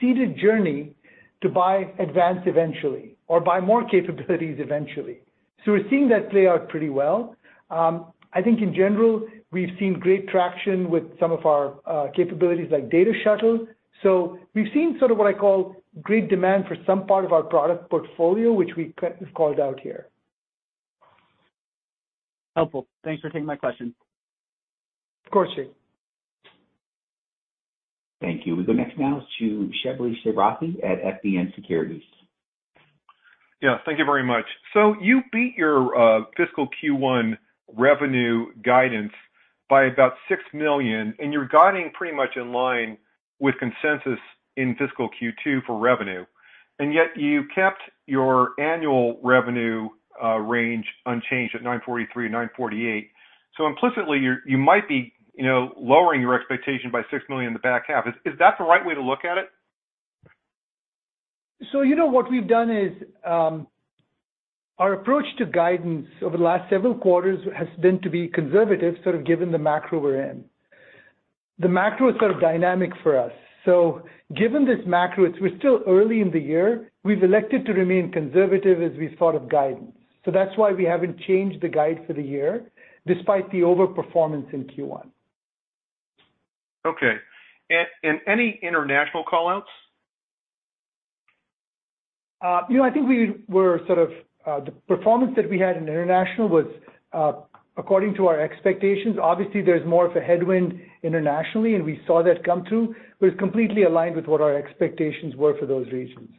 seeded journey to buy Advance eventually, or buy more capabilities eventually. We're seeing that play out pretty well. I think in general, we've seen great traction with some of our capabilities like Data Shuttle. We've seen sort of what I call great demand for some part of our product portfolio, which we called out here. Helpful. Thanks for taking my question. Of course, Jake. Thank you. We go next now to Shebly Seyrafi at FBN Securities. Thank you very much. You beat your fiscal Q1 revenue guidance by about $6 million, and you're guiding pretty much in line with consensus in fiscal Q2 for revenue. Yet you kept your annual revenue range unchanged at $943 to 948. Implicitly, you might be, you know, lowering your expectation by $6 million in the back half. Is that the right way to look at it? You know, what we've done is, our approach to guidance over the last several quarters has been to be conservative, sort of given the macro we're in. The macro is sort of dynamic for us. Given this macro, we're still early in the year, we've elected to remain conservative as we thought of guidance. That's why we haven't changed the guide for the year, despite the overperformance in Q1. Okay. Any international call-outs? You know, I think we were sort of the performance that we had in international was according to our expectations. Obviously, there's more of a headwind internationally, and we saw that come through, but it's completely aligned with what our expectations were for those regions.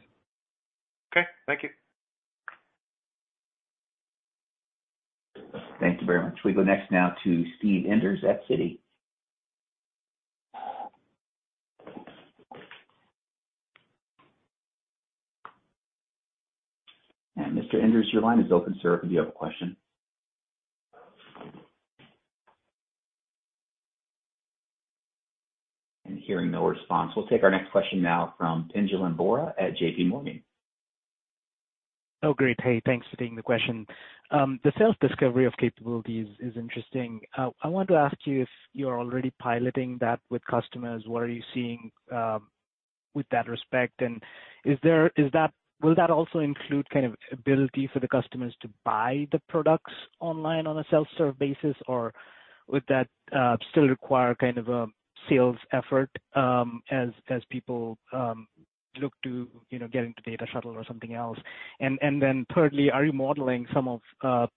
Okay. Thank you. Thank you very much. We go next now to Steve Enders at Citi. Mr. Enders, your line is open, sir, if you have a question. Hearing no response, we'll take our next question now from Pinjalim Bora at J.P. Morgan. Oh, great. Hey, thanks for taking the question. The sales discovery of capabilities is interesting. I want to ask you if you are already piloting that with customers, what are you seeing with that respect? Will that also include kind of ability for the customers to buy the products online on a self-serve basis, or would that still require kind of a sales effort as people look to, you know, get into Data Shuttle or something else? Then thirdly, are you modeling some of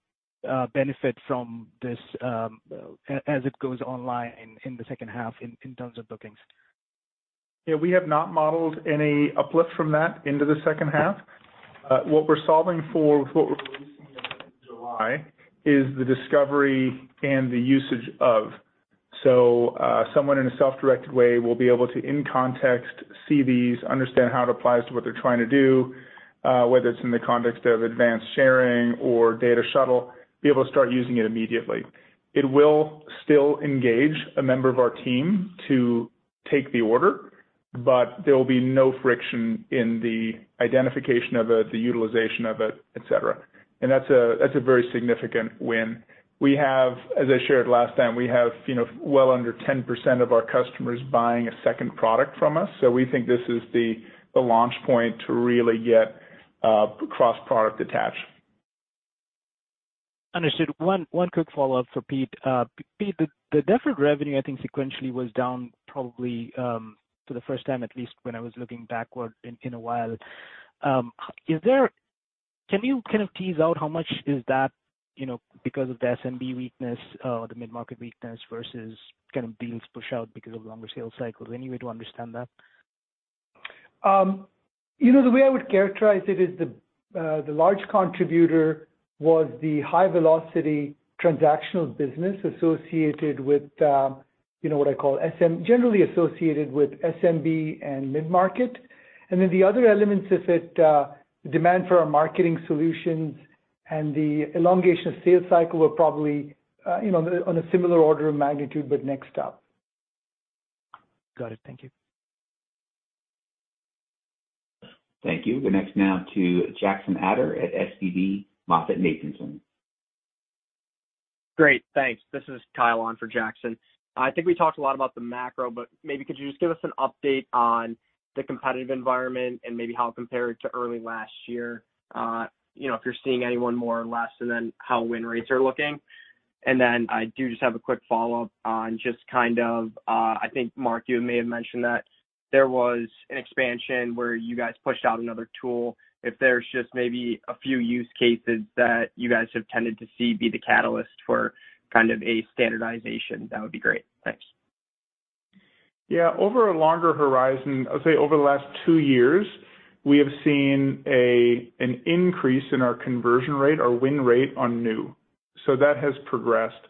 benefit from this as it goes online in the second half in terms of bookings? Yeah, we have not modeled any uplift from that into the second half. What we're solving for, what we're releasing in July, is the discovery and the usage of. Someone in a self-directed way will be able to, in context, see these, understand how it applies to what they're trying to do, whether it's in the context of advanced sharing or Data Shuttle, be able to start using it immediately. It will still engage a member of our team to take the order, but there will be no friction in the identification of it, the utilization of it, et cetera. That's a very significant win. We have, as I shared last time, we have, you know, well under 10% of our customers buying a second product from us, so we think this is the launch point to really get cross-product attach. Understood. One quick follow-up for Pete. Pete, the deferred revenue, I think, sequentially, was down probably, for the first time, at least when I was looking backward in a while. Can you kind of tease out how much is that, you know, because of the SMB weakness, the mid-market weakness versus kind of being pushed out because of longer sales cycles? Any way to understand that? You know, the way I would characterize it is the large contributor was the high velocity transactional business associated with, you know, what I call generally associated with SMB and mid-market. The other elements is that demand for our marketing solutions and the elongation of sales cycle are probably, you know, on a similar order of magnitude, but next up. Got it. Thank you. Thank you. We're next now to Jackson Ader at SVB MoffettNathanson. Great, thanks. This is Kyle on for Jackson. I think we talked a lot about the macro, but maybe could you just give us an update on the competitive environment and maybe how it compared to early last year? you know, if you're seeing anyone more or less, and then how win rates are looking. I do just have a quick follow-up on just kind of, I think, Mark, you may have mentioned that there was an expansion where you guys pushed out another tool. If there's just maybe a few use cases that you guys have tended to see be the catalyst for kind of a standardization, that would be great. Thanks. Over a longer horizon, I'd say over the last two years, we have seen an increase in our conversion rate, our win rate on new. That has progressed.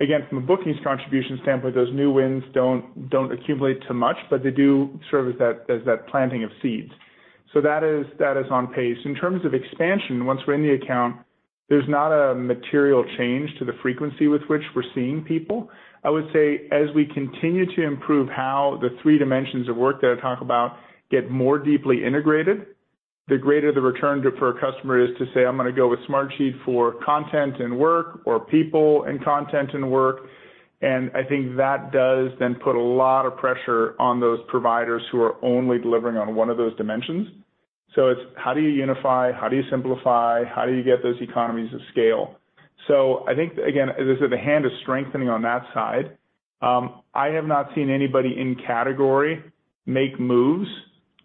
Again, from a bookings contribution standpoint, those new wins don't accumulate to much, but they do serve as that planting of seeds. That is on pace. In terms of expansion, once we're in the account, there's not a material change to the frequency with which we're seeing people. I would say, as we continue to improve how the three dimensions of work that I talk about get more deeply integrated, the greater the return for a customer is to say, "I'm gonna go with Smartsheet for content and work, or people and content and work." I think that does then put a lot of pressure on those providers who are only delivering on one of those dimensions. It's how do you unify? How do you simplify? How do you get those economies of scale? I think, again, as I said, the hand is strengthening on that side. I have not seen anybody in category make moves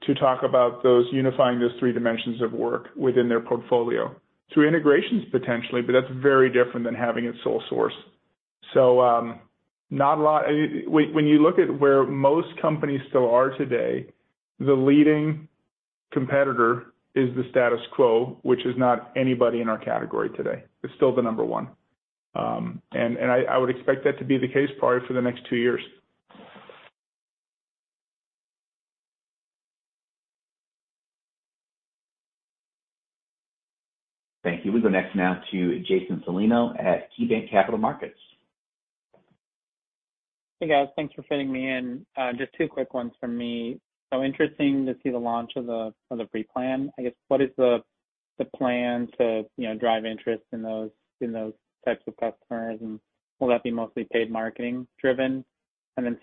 to talk about those unifying those three dimensions of work within their portfolio. Through integrations, potentially, but that's very different than having it sole source. When you look at where most companies still are today, the leading competitor is the status quo, which is not anybody in our category today. It's still the number one. I would expect that to be the case probably for the next two years. Thank you. We go next now to Jason Celino at KeyBanc Capital Markets. Hey, guys. Thanks for fitting me in. Just two quick ones from me. Interesting to see the launch of the free plan. I guess, what is the plan to, you know, drive interest in those types of customers, will that be mostly paid marketing driven?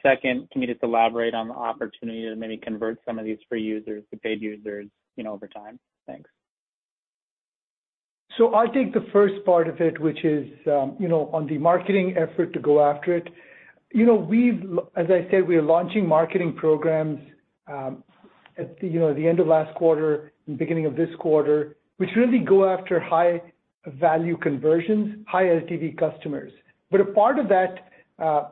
Second, can you just elaborate on the opportunity to maybe convert some of these free users to paid users, you know, over time? Thanks. I'll take the first part of it, which is, you know, on the marketing effort to go after it. You know, as I said, we are launching marketing programs, at, you know, the end of last quarter, beginning of this quarter, which really go after high-value conversions, high LTV customers. A part of that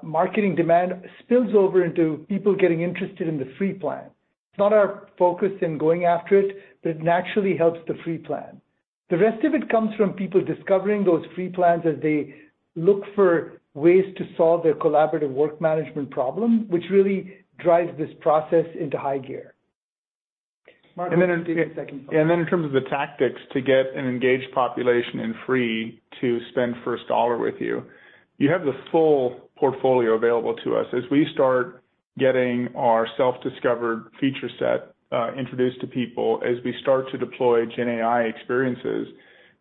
marketing demand spills over into people getting interested in the free plan. It's not our focus in going after it, but it naturally helps the free plan. The rest of it comes from people discovering those free plans as they look for ways to solve their collaborative work management problem, which really drives this process into high gear. Mark, take the second part. Yeah, and then in terms of the tactics to get an engaged population in free to spend first dollar with you have the full portfolio available to us. As we start getting our self-discovered feature set, introduced to people, as we start to deploy GenAI experiences,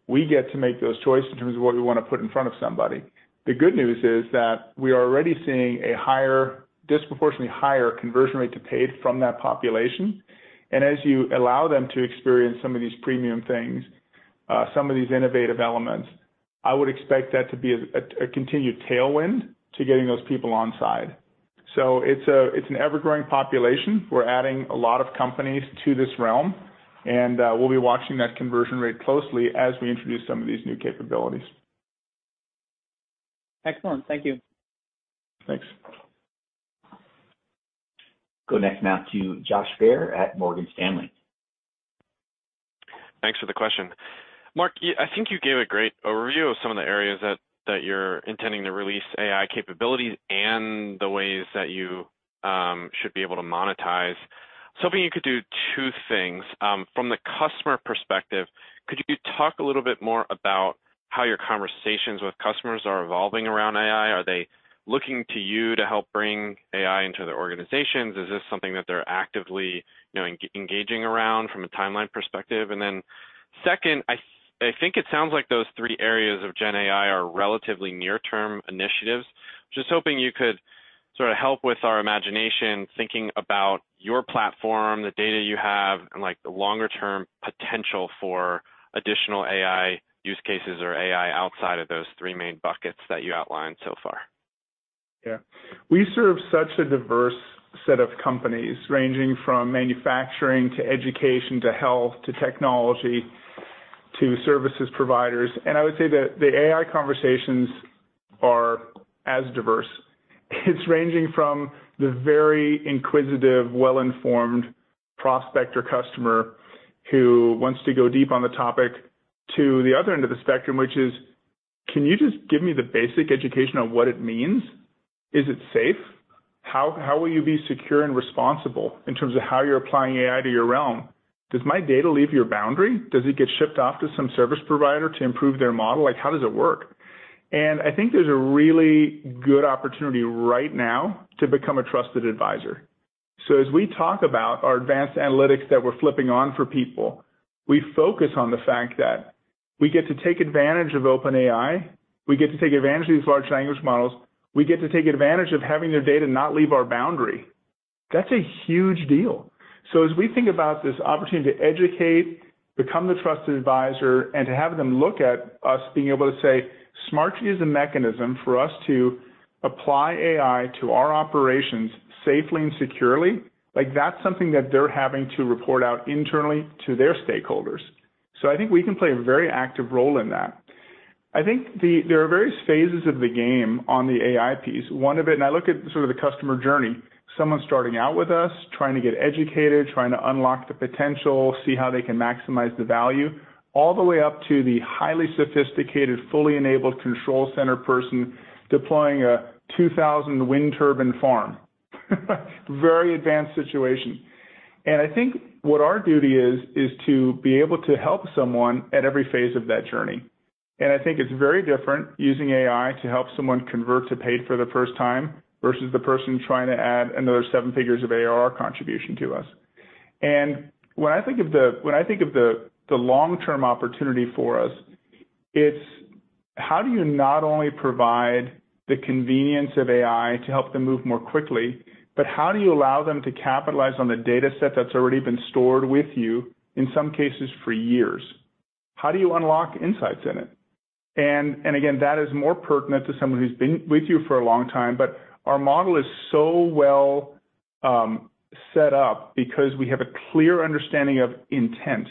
we get to make those choices in terms of what we want to put in front of somebody. The good news is that we are already seeing a higher, disproportionately higher conversion rate to paid from that population. As you allow them to experience some of these premium things, some of these innovative elements, I would expect that to be a continued tailwind to getting those people on side. It's an ever-growing population. We're adding a lot of companies to this realm, and we'll be watching that conversion rate closely as we introduce some of these new capabilities. Excellent. Thank you. Thanks. Go next now to Josh Baer at Morgan Stanley. Thanks for the question. Mark, I think you gave a great overview of some of the areas that you're intending to release AI capabilities and the ways that you should be able to monetize. Hoping you could do two things. From the customer perspective, could you talk a little bit more about how your conversations with customers are evolving around AI? Are they looking to you to help bring AI into their organizations? Is this something that they're actively, you know, engaging around from a timeline perspective? Second, I think it sounds like those three areas of GenAI are relatively near-term initiatives. Just hoping you could sort of help with our imagination, thinking about your platform, the data you have, and, like, the longer-term potential for additional AI use cases or AI outside of those three main buckets that you outlined so far. Yeah. We serve such a diverse set of companies, ranging from manufacturing, to education, to health, to technology, to services providers. I would say that the AI conversations are as diverse. It's ranging from the very inquisitive, well-informed prospect or customer who wants to go deep on the topic, to the other end of the spectrum, which is: Can you just give me the basic education on what it means? Is it safe? How will you be secure and responsible in terms of how you're applying AI to your realm? Does my data leave your boundary? Does it get shipped off to some service provider to improve their model? Like, how does it work? I think there's a really good opportunity right now to become a trusted advisor. As we talk about our advanced analytics that we're flipping on for people, we focus on the fact that we get to take advantage of OpenAI, we get to take advantage of these large language models, we get to take advantage of having their data not leave our boundary. That's a huge deal. As we think about this opportunity to educate, become the trusted advisor, and to have them look at us being able to say: Smartsheet is a mechanism for us to apply AI to our operations safely and securely. Like, that's something that they're having to report out internally to their stakeholders. I think there are various phases of the game on the AI piece. One of it, I look at sort of the customer journey, someone starting out with us, trying to get educated, trying to unlock the potential, see how they can maximize the value, all the way up to the highly sophisticated, fully enabled Control Center person deploying a 2,000 wind turbine farm. Very advanced situation. I think what our duty is to be able to help someone at every phase of that journey. I think it's very different using AI to help someone convert to paid for the first time, versus the person trying to add another seven figures of ARR contribution to us. When I think of the long-term opportunity for us, it's how do you not only provide the convenience of AI to help them move more quickly, but how do you allow them to capitalize on the data set that's already been stored with you, in some cases, for years? How do you unlock insights in it? Again, that is more pertinent to someone who's been with you for a long time, but our model is so well set up because we have a clear understanding of intent.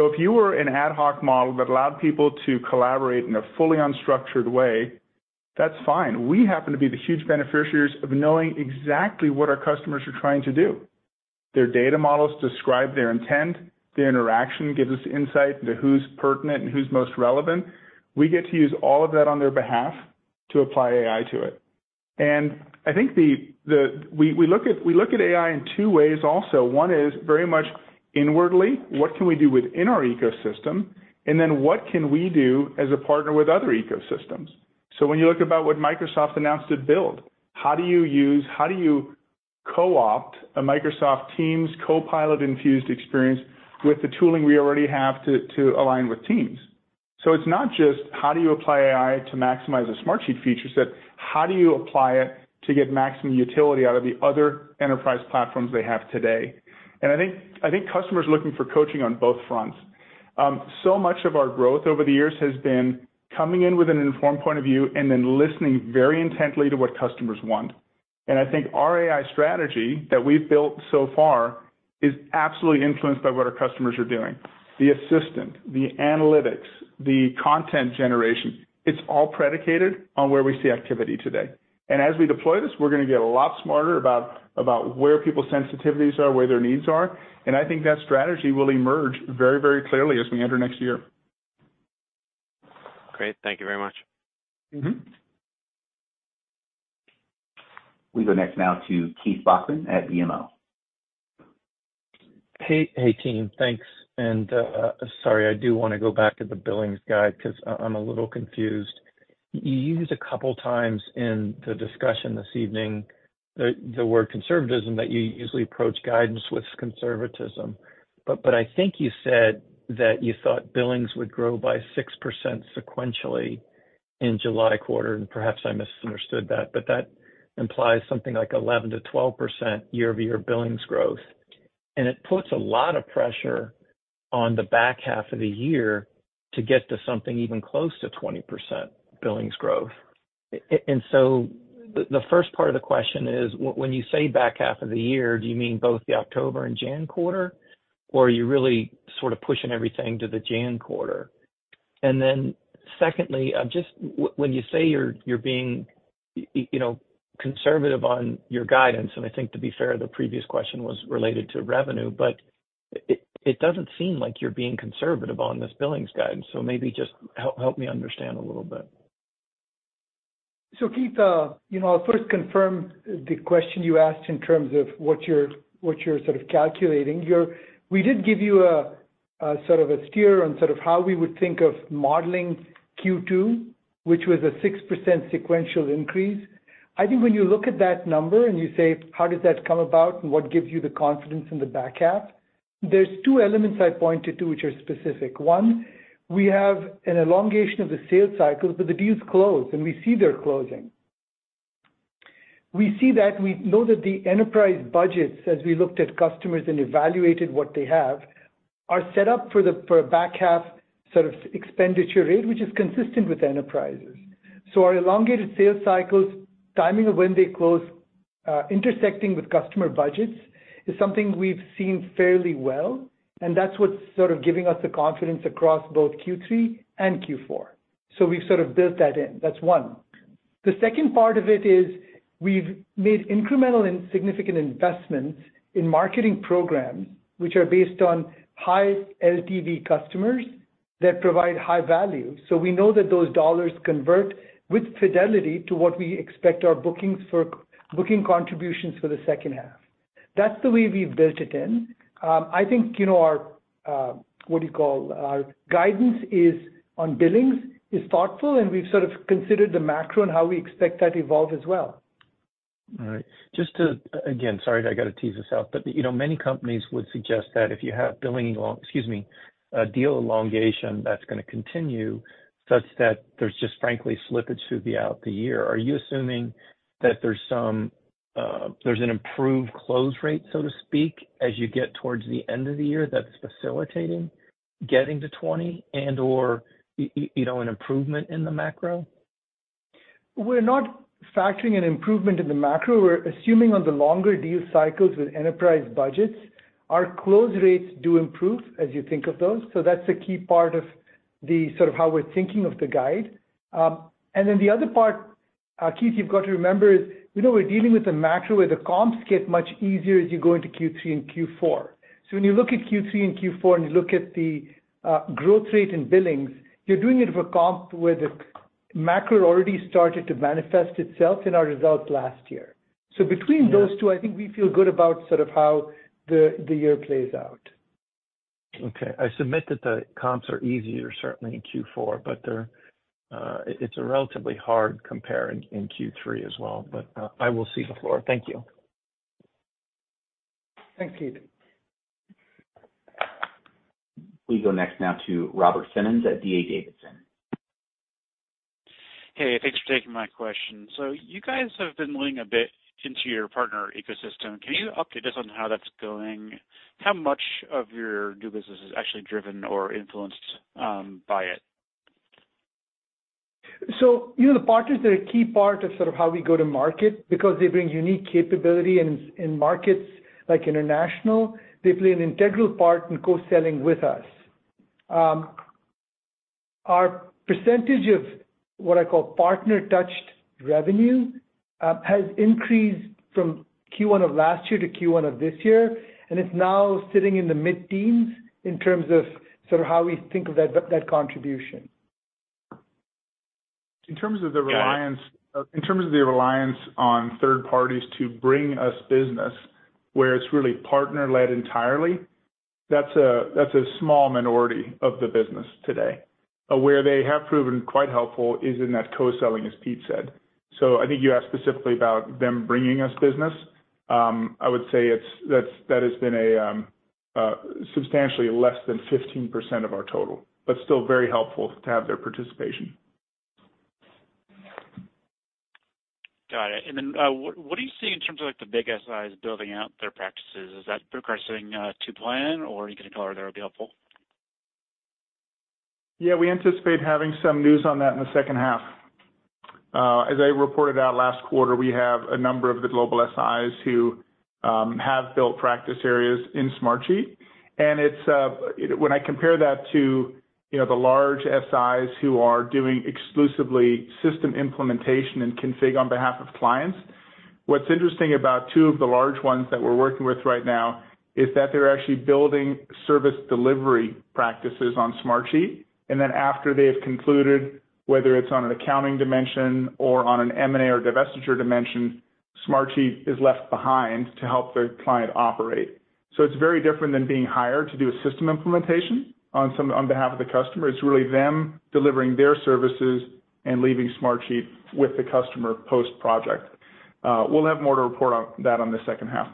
If you were an ad hoc model that allowed people to collaborate in a fully unstructured way, that's fine. We happen to be the huge beneficiaries of knowing exactly what our customers are trying to do. Their data models describe their intent, their interaction gives us insight into who's pertinent and who's most relevant. We get to use all of that on their behalf to apply AI to it. I think we look at AI in two ways also. One is very much inwardly, what can we do within our ecosystem? What can we do as a partner with other ecosystems? When you look about what Microsoft announced at Build, how do you co-opt a Microsoft Teams Copilot-infused experience with the tooling we already have to align with Teams? It's not just how do you apply AI to maximize the Smartsheet features, it's how do you apply it to get maximum utility out of the other enterprise platforms they have today? I think, I think customers are looking for coaching on both fronts. So much of our growth over the years has been coming in with an informed point of view and then listening very intently to what customers want. I think our AI strategy that we've built so far is absolutely influenced by what our customers are doing. The assistant, the analytics, the content generation, it's all predicated on where we see activity today. As we deploy this, we're gonna get a lot smarter about where people's sensitivities are, where their needs are, and I think that strategy will emerge very, very clearly as we enter next year. Great. Thank you very much. We go next now to Keith Bachman at BMO. Hey, hey, team. Thanks. Sorry, I do want to go back to the billings guide, 'cause I'm a little confused. You used a couple times in the discussion this evening, the word conservatism, that you usually approach guidance with conservatism. I think you said that you thought billings would grow by 6% sequentially in July quarter, and perhaps I misunderstood that, but that implies something like 11% to 12% year-over-year billings growth. The first part of the question is, when you say back half of the year, do you mean both the October and Jan. quarter, or are you really sort of pushing everything to the Jan. quarter? Secondly, when you say you're being, you know, conservative on your guidance, and I think to be fair, the previous question was related to revenue, but it doesn't seem like you're being conservative on this billings guide. Maybe just help me understand a little bit. Keith, you know, I'll first confirm the question you asked in terms of what you're, what you're sort of calculating. We did give you a sort of a steer on sort of how we would think of modeling Q2, which was a 6% sequential increase. I think when you look at that number and you say: How does that come about, and what gives you the confidence in the back half? There's two elements I pointed to which are specific. One, we have an elongation of the sales cycle, but the deals close, and we see they're closing. We see that, we know that the enterprise budgets, as we looked at customers and evaluated what they have, are set up for a back half sort of expenditure rate, which is consistent with enterprises. Our elongated sales cycles, timing of when they close, intersecting with customer budgets, is something we've seen fairly well, and that's what's sort of giving us the confidence across both Q3 and Q4. We've sort of built that in. That's one. The second part of it is, we've made incremental and significant investments in marketing programs, which are based on high LTV customers that provide high value. We know that those dollars convert with fidelity to what we expect our booking contributions for the second half. That's the way we've built it in. I think, you know, our, what do you call? Guidance is on billings, is thoughtful, and we've sort of considered the macro and how we expect that to evolve as well. All right. Just to... Again, sorry, I got to tease this out, but, you know, many companies would suggest that if you have billing along, excuse me, a deal elongation, that's gonna continue, such that there's just frankly slippage through the out the year. Are you assuming that there's some, there's an improved close rate, so to speak, as you get towards the end of the year, that's facilitating getting to 20 and/or, you know, an improvement in the macro? We're not factoring an improvement in the macro. We're assuming on the longer deal cycles with enterprise budgets, our close rates do improve as you think of those. That's a key part of the sort of how we're thinking of the guide. Then the other part, Keith, you've got to remember is, you know, we're dealing with a macro where the comps get much easier as you go into Q3 and Q4. When you look at Q3 and Q4, and you look at the growth rate in billings, you're doing it for a comp where the macro already started to manifest itself in our results last year. Between those two, I think we feel good about sort of how the year plays out. Okay. I submit that the comps are easier, certainly in Q4, but they're, it's a relatively hard comparing in Q3 as well. I will cede the floor. Thank you. Thanks, Keith. We go next now to Robert Simmons at D.A. Davidson. Hey, thanks for taking my question. You guys have been leaning a bit into your partner ecosystem. Can you update us on how that's going? How much of your new business is actually driven or influenced by it? You know, the partners are a key part of sort of how we go to market, because they bring unique capability in markets like international. They play an integral part in co-selling with us. Our percentage of what I call partner-touched revenue has increased from Q1 of last year to Q1 of this year, and it's now sitting in the mid-teens in terms of sort of how we think of that contribution. In terms of the reliance on third parties to bring us business, where it's really partner-led entirely, that's a small minority of the business today. Where they have proven quite helpful is in that co-selling, as Pete said. I think you asked specifically about them bringing us business. I would say it's, that has been a substantially less than 15% of our total, but still very helpful to have their participation. Got it. What do you see in terms of, like, the bigger [inaudible] building out their practices? Is that progressing to plan, or you can color there would be helpful? Yeah, we anticipate having some news on that in the second half. As I reported out last quarter, we have a number of the global SIs who have built practice areas in Smartsheet. It's, when I compare that to, you know, the large SIs who are doing exclusively system implementation and config on behalf of clients, what's interesting about two of the large ones that we're working with right now is that they're actually building service delivery practices on Smartsheet. After they have concluded, whether it's on an accounting dimension or on an M&A or divestiture dimension, Smartsheet is left behind to help the client operate. It's very different than being hired to do a system implementation on behalf of the customer. It's really them delivering their services and leaving Smartsheet with the customer post-project. we'll have more to report on that on the second half.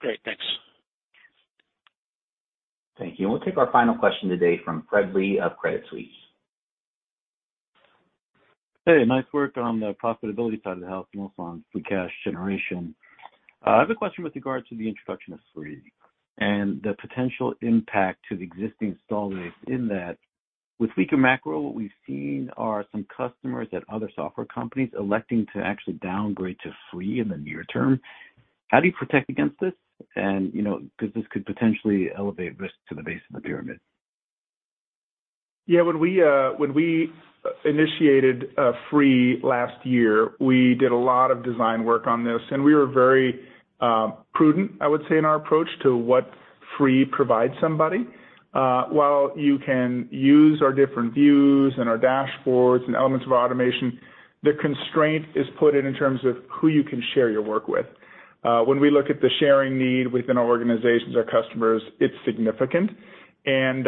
Great. Thanks. Thank you. We'll take our final question today from Fred Lee of Credit Suisse. Hey, nice work on the profitability side of the house, and also on the cash generation. I have a question with regard to the introduction of free and the potential impact to the existing install base in that. With weaker macro, what we've seen are some customers at other software companies electing to actually downgrade to free in the near term. How do you protect against this? You know, because this could potentially elevate risk to the base of the pyramid. When we initiated free last year, we did a lot of design work on this, and we were very prudent, I would say, in our approach to what free provides somebody. While you can use our different views and our dashboards and elements of automation, the constraint is put in terms of who you can share your work with. When we look at the sharing need within our organizations, our customers, it's significant, and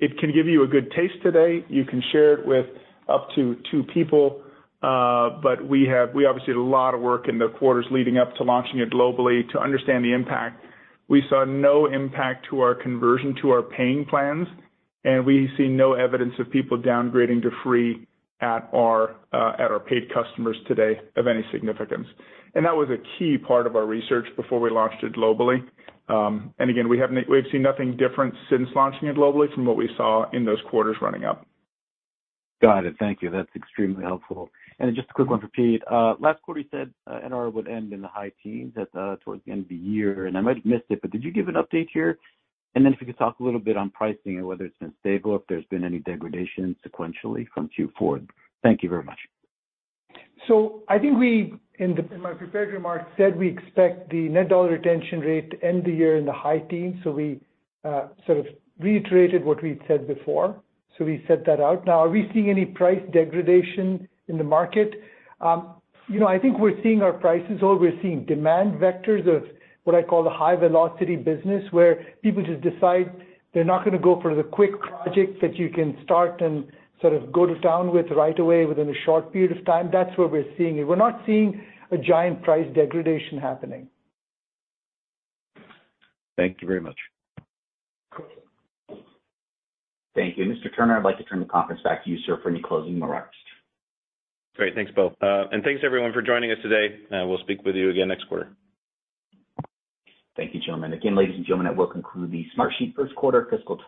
it can give you a good taste today. You can share it with up to two people, but we obviously had a lot of work in the quarters leading up to launching it globally to understand the impact. We saw no impact to our conversion to our paying plans, and we see no evidence of people downgrading to free at our at our paid customers today of any significance. That was a key part of our research before we launched it globally. Again, we've seen nothing different since launching it globally from what we saw in those quarters running up. Got it. Thank you. That's extremely helpful. Just a quick one for Pete. Last quarter, you said NRR would end in the high teens towards the end of the year, and I might have missed it, but did you give an update here? Then if you could talk a little bit on pricing and whether it's been stable or if there's been any degradation sequentially from Q4. Thank you very much. I think we, in the, in my prepared remarks, said we expect the net dollar retention rate to end the year in the high teens. We sort of reiterated what we said before, so we set that out. Are we seeing any price degradation in the market? You know, I think we're seeing our prices, or we're seeing demand vectors of what I call the high-velocity business, where people just decide they're not going to go for the quick projects that you can start and sort of go to town with right away within a short period of time. That's where we're seeing it. We're not seeing a giant price degradation happening. Thank you very much. Thank you. Mr. Turner, I'd like to turn the conference back to you, sir, for any closing remarks. Great. Thanks, Bill. Thanks, everyone, for joining us today, and we'll speak with you again next quarter. Thank you, gentlemen. Again, ladies and gentlemen, that will conclude the Smartsheet Q1 Fiscal